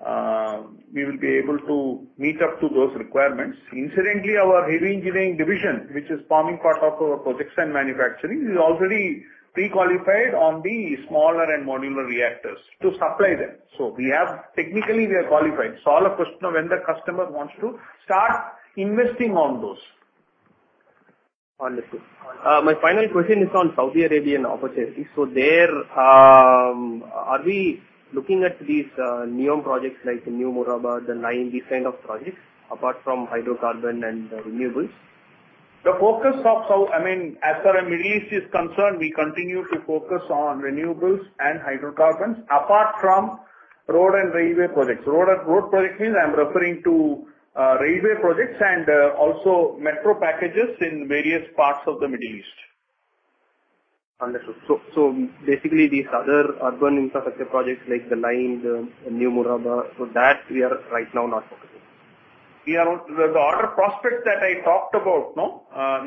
we will be able to meet up to those requirements. Incidentally, our heavy engineering division, which is forming part of our projects and manufacturing, is already pre-qualified on the smaller and modular reactors to supply them. So technically, we are qualified. So all a question of when the customer wants to start investing on those. Understood. My final question is on Saudi Arabian opportunities. So there, are we looking at these, NEOM projects like the New Murabba, The Line, these kind of projects, apart from Hydrocarbon and Renewables? The focus of—I mean, as far as Middle East is concerned, we continue to focus on renewables and Hydrocarbons, apart from road and railway projects. Road and road projects means I'm referring to, railway projects and, also metro packages in various parts of the Middle East. Understood. So, basically, these other urban infrastructure projects like The Line, the New Murabba, so that we are right now not focusing. We are not. The order prospects that I talked about,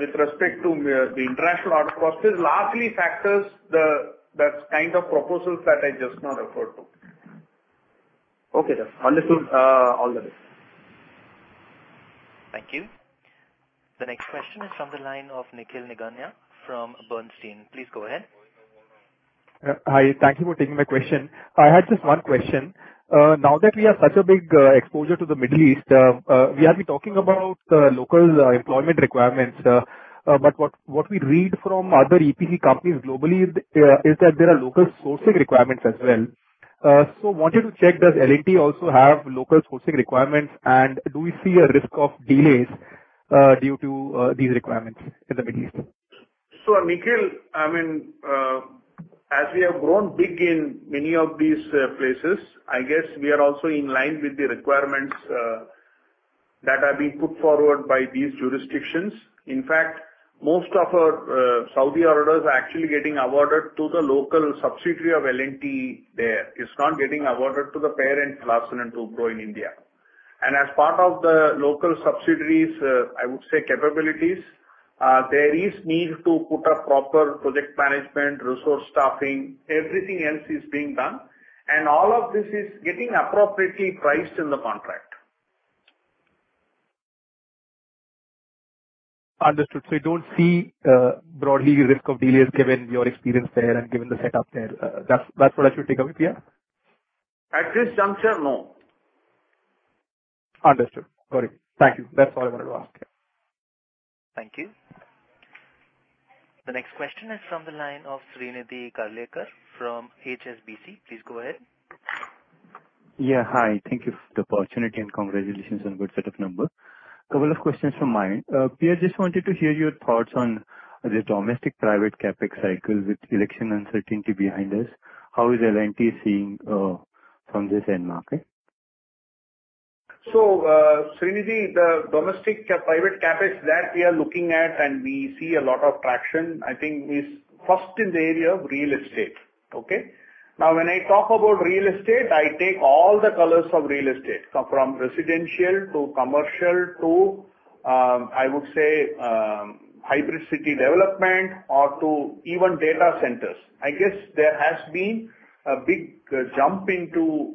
with respect to the international order prospects, largely factors the kind of proposals that I just now referred to. Okay, then. Understood, all the best. Thank you. The next question is from the line of Nikhil Nigania from Bernstein. Please go ahead. Hi. Thank you for taking my question. I had just one question. Now that we are such a big exposure to the Middle East, we are talking about local employment requirements, but what we read from other EPC companies globally is that there are local sourcing requirements as well. So wanted to check, does L&T also have local sourcing requirements, and do we see a risk of delays due to these requirements in the Middle East? So, Nikhil, I mean, as we have grown big in many of these places, I guess we are also in line with the requirements that are being put forward by these jurisdictions. In fact, most of our Saudi orders are actually getting awarded to the local subsidiary of L&T there. It's not getting awarded to the parent, Larsen & Toubro, in India. And as part of the local subsidiaries, I would say, capabilities, there is need to put a proper project management, resource staffing, everything else is being done, and all of this is getting appropriately priced in the contract. Understood. So you don't see, broadly risk of delays, given your experience there and given the setup there. That's, that's what I should take away, yeah? At this juncture, no. Understood. Got it. Thank you. That's all I wanted to ask. Thank you. The next question is from the line of Srinidhi Karlekar from HSBC. Please go ahead. Yeah, hi. Thank you for the opportunity, and congratulations on good set of numbers. Couple of questions from my end. PR, just wanted to hear your thoughts on the domestic private CapEx cycle with election uncertainty behind us. How is L&T seeing from this end market? So, Srinidhi, the domestic private CapEx that we are looking at, and we see a lot of traction, I think is first in the area of real estate, okay? Now, when I talk about real estate, I take all the colors of real estate, so from residential to commercial to, I would say, hybrid city development or to even data centers. I guess there has been a big jump into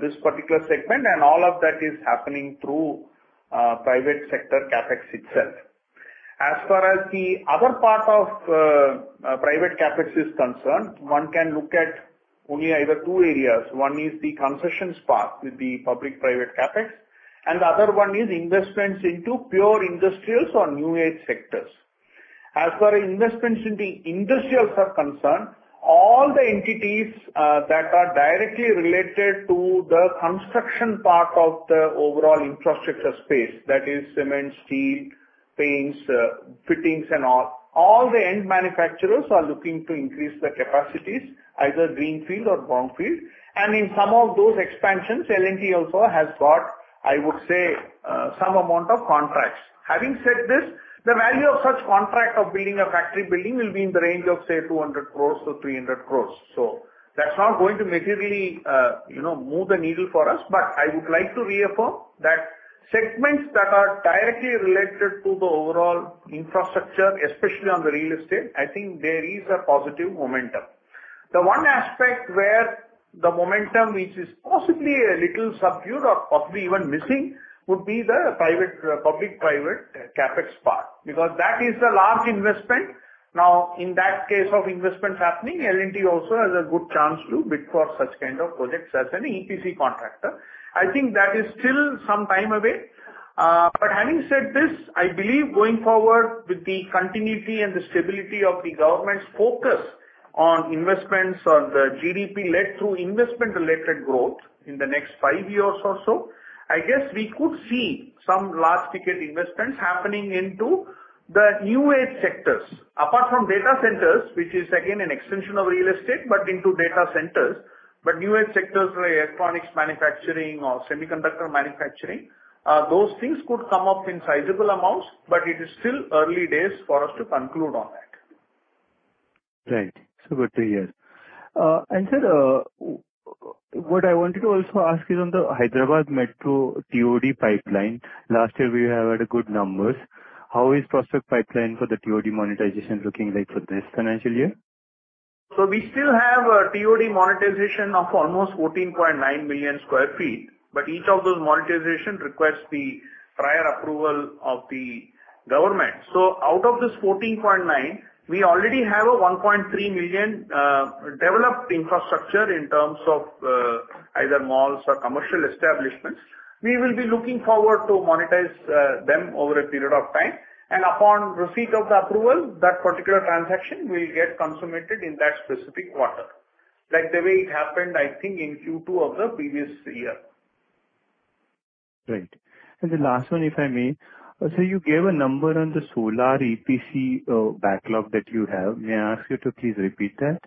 this particular segment, and all of that is happening through private sector CapEx itself. As far as the other part of private CapEx is concerned, one can look at only either two areas. One is the concessions part with the public-private CapEx, and the other one is investments into pure industrials or new-age sectors. As far as investments in the industrials are concerned, all the entities that are directly related to the construction part of the overall infrastructure space, that is cement, steel, paints, fittings and all, all the end manufacturers are looking to increase their capacities, either greenfield or brownfield. And in some of those expansions, L&T also has got, I would say, some amount of contracts. Having said this, the value of such contract of building a factory building will be in the range of, say, 200 crore to 300 crore. So that's not going to materially, you know, move the needle for us, but I would like to reaffirm that segments that are directly related to the overall infrastructure, especially on the real estate, I think there is a positive momentum. The one aspect where the momentum, which is possibly a little subdued or possibly even missing, would be the private, public-private CapEx part, because that is a large investment. Now, in that case of investments happening, L&T also has a good chance to bid for such kind of projects as an EPC contractor. I think that is still some time away. But having said this, I believe going forward with the continuity and the stability of the government's focus on investments, on the GDP led through investment-related growth in the next five years or so, I guess we could see some large-ticket investments happening into the new age sectors. Apart from data centers, which is again an extension of real estate, but into data centers, but new age sectors are electronics manufacturing or semiconductor manufacturing. Those things could come up in sizable amounts, but it is still early days for us to conclude on that. Right. It's about three years. And, sir, what I wanted to also ask is on the Hyderabad Metro TOD pipeline. Last year, we have had good numbers. How is prospect pipeline for the TOD monetization looking like for this financial year? So we still have a TOD monetization of almost 14.9 million sq ft, but each of those monetization requires the prior approval of the government. So out of this 14.9, we already have a 1.3 million developed infrastructure in terms of either malls or commercial establishments. We will be looking forward to monetize them over a period of time, and upon receipt of the approval, that particular transaction will get consummated in that specific quarter. Like, the way it happened, I think, in Q2 of the previous year. Right. And the last one, if I may. So you gave a number on the solar EPC backlog that you have. May I ask you to please repeat that?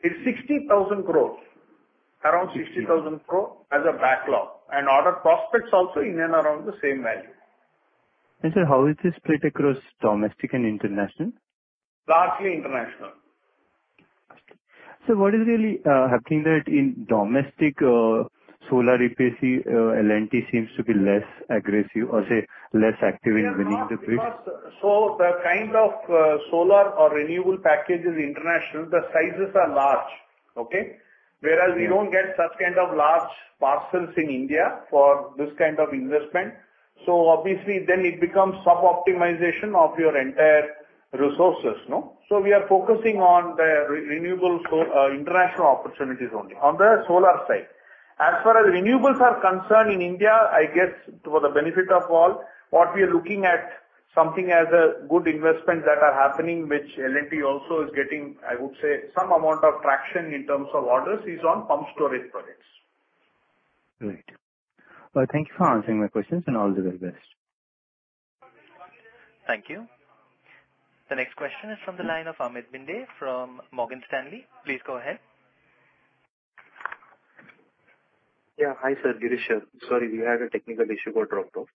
It's 60,000 crore. Around 60,000 crore as a backlog, and order prospects also in and around the same value. Sir, how is this split across domestic and international? Largely international. Sir, what is really happening that in domestic solar EPC, L&T seems to be less aggressive or, say, less active in winning the bid? So the kind of solar or renewable packages international, the sizes are large, okay? Whereas we don't get such kind of large parcels in India for this kind of investment. So obviously then it becomes sub-optimization of your entire resources, no? So we are focusing on the renewable, so, international opportunities only on the solar side. As far as renewables are concerned, in India, I guess for the benefit of all, what we are looking at something as a good investment that are happening, which L&T also is getting, I would say, some amount of traction in terms of orders, is on pump storage projects. Great. Well, thank you for answering my questions, and all the very best. Thank you. The next question is from the line of Amit Minde from Morgan Stanley. Please go ahead. Yeah. Hi, sir, Girish here. Sorry, we had a technical issue, got dropped off.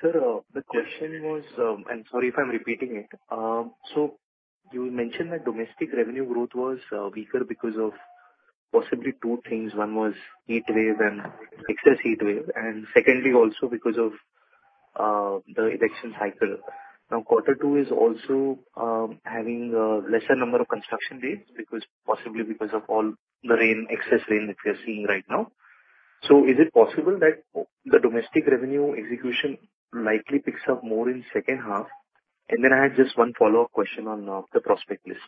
Sir, the question was, and sorry if I'm repeating it. So you mentioned that domestic revenue growth was weaker because of possibly two things. One was heat wave and excess heat wave, and secondly, also because of the election cycle. Now, quarter two is also having a lesser number of construction days, because possibly because of all the rain, excess rain that we are seeing right now. So is it possible that the domestic revenue execution likely picks up more in second half? And then I had just one follow-up question on the prospect list.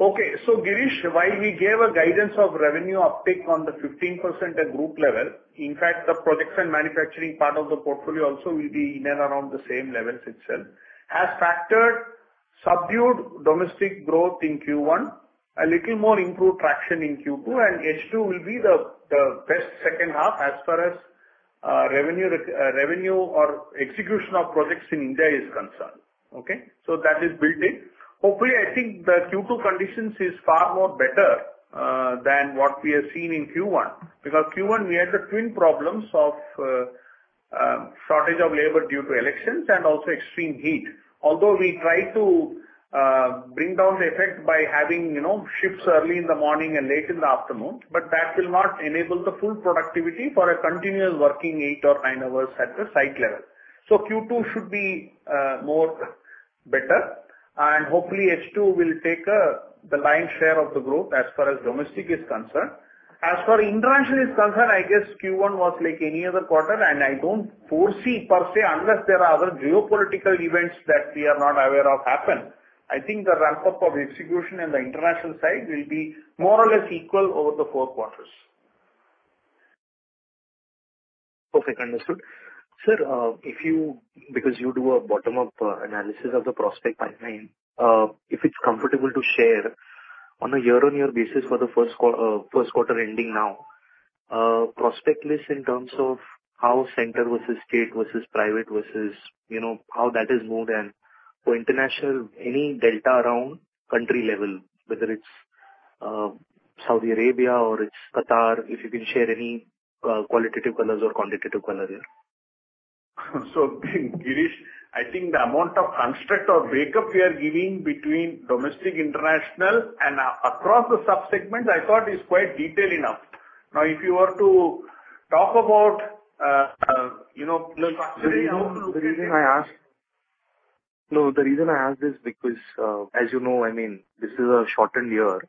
Okay. So, Girish, why we gave a guidance of revenue uptick on the 15% at group level, in fact, the projects and manufacturing part of the portfolio also will be in and around the same levels itself. As factored, subdued domestic growth in Q1, a little more improved traction in Q2, and H2 will be the best second half as far as revenue or execution of projects in India is concerned. Okay? So that is built in. Hopefully, I think the Q2 conditions is far more better than what we have seen in Q1, because Q1 we had the twin problems of shortage of labor due to elections and also extreme heat. Although we tried to bring down the effect by having, you know, shifts early in the morning and late in the afternoon, but that will not enable the full productivity for a continuous working eight or nine hours at the site level. So Q2 should be more better, and hopefully H2 will take the lion's share of the growth as far as domestic is concerned. As for international is concerned, I guess Q1 was like any other quarter, and I don't foresee per se, unless there are other geopolitical events that we are not aware of happen. I think the ramp-up of execution on the international side will be more or less equal over the four quarters. Perfect. Understood. Sir, if you—because you do a bottom-up analysis of the prospect pipeline, if it's comfortable to share, on a year-on-year basis for the first quarter ending now, prospect list in terms of how center versus state, versus private, versus, you know, how that has moved, and for international, any delta around country level, whether it's Saudi Arabia or it's Qatar, if you can share any qualitative colors or quantitative color there? So, Girish, I think the amount of construction or breakup we are giving between domestic, international, and across the sub-segments, I thought is quite detailed enough. Now, if you were to talk about, you know- The reason I asked this because, as you know, I mean, this is a shortened year.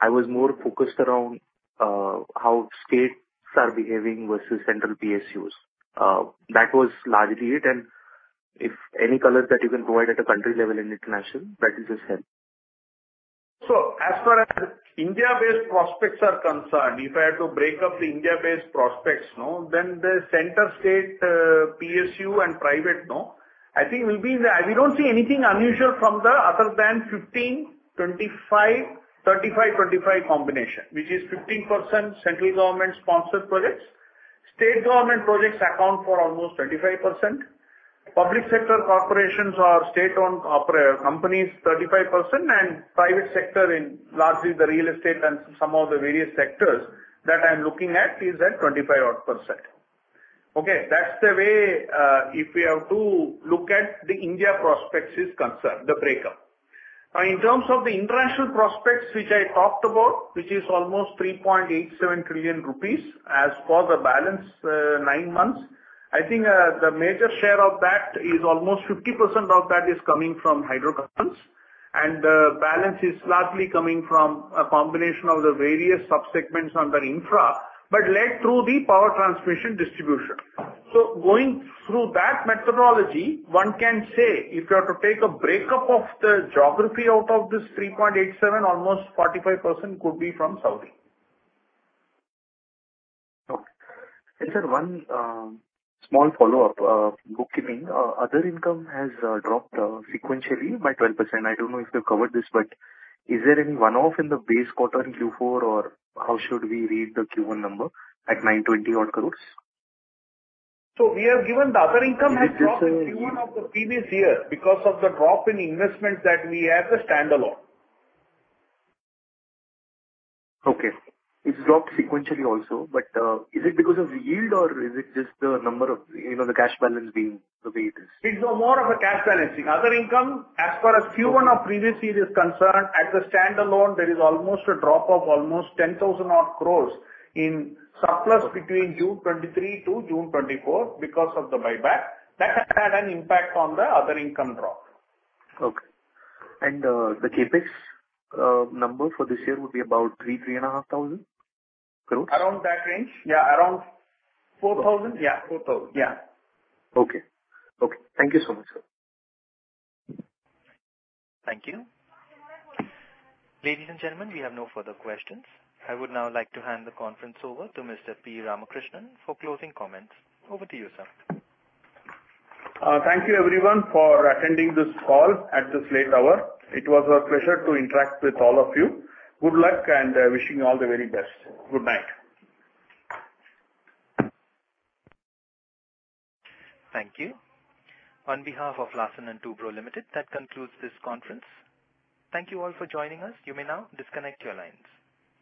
I was more focused around how states are behaving versus central PSUs. That was largely it, and if any color that you can provide at a country level in international, that is just help. So as far as India-based prospects are concerned, if I had to break up the India-based prospects, then the central state, PSU and private, I think will be the- we don't see anything unusual from the other than 15, 25, 35, 25 combination, which is 15% central government-sponsored projects. State government projects account for almost 25%. Public sector corporations or state-owned operating companies, 35%, and private sector in largely the real estate and some of the various sectors that I'm looking at, is at 25% odd. Okay, that's the way, if we have to look at the India prospects is concerned, the breakup. Now, in terms of the international prospects, which I talked about, which is almost 3.87 trillion rupees, as for the balance nine months, I think, the major share of that is almost 50% of that is coming from hydrocarbons, and the balance is largely coming from a combination of the various sub-segments under infra, but led through the power transmission distribution. So going through that methodology, one can say, if you are to take a breakup of the geography out of this three point eight seven, almost 45% could be from Saudi. Okay. And sir, one small follow-up, bookkeeping. Other income has dropped sequentially by 12%. I don't know if you've covered this, but is there any one-off in the base quarter in Q4, or how should we read the Q1 number at 920 crore odd? We have given the other income has dropped in Q1 of the previous year because of the drop in investment that we had as a standalone. Okay. It's dropped sequentially also, but, is it because of yield or is it just the number of, you know, the cash balance being the way it is? It's more of a cash balancing. Other income, as far as Q1 of previous year is concerned, as a standalone, there is almost a drop of almost 10,000 odd crore in surplus between June 2023 to June 2024 because of the buyback. That had an impact on the other income drop. Okay. The CapEx number for this year would be about 3,000 crore, 3,500 crore? Around that range. Yeah, around 4,000. Yeah, 4,000. Yeah. Okay. Okay. Thank you so much, sir. Thank you. Ladies and gentlemen, we have no further questions. I would now like to hand the conference over to Mr. P. Ramakrishnan for closing comments. Over to you, sir. Thank you everyone for attending this call at this late hour. It was a pleasure to interact with all of you. Good luck, and wishing you all the very best. Good night. Thank you. On behalf of Larsen & Toubro Limited, that concludes this conference. Thank you all for joining us. You may now disconnect your lines.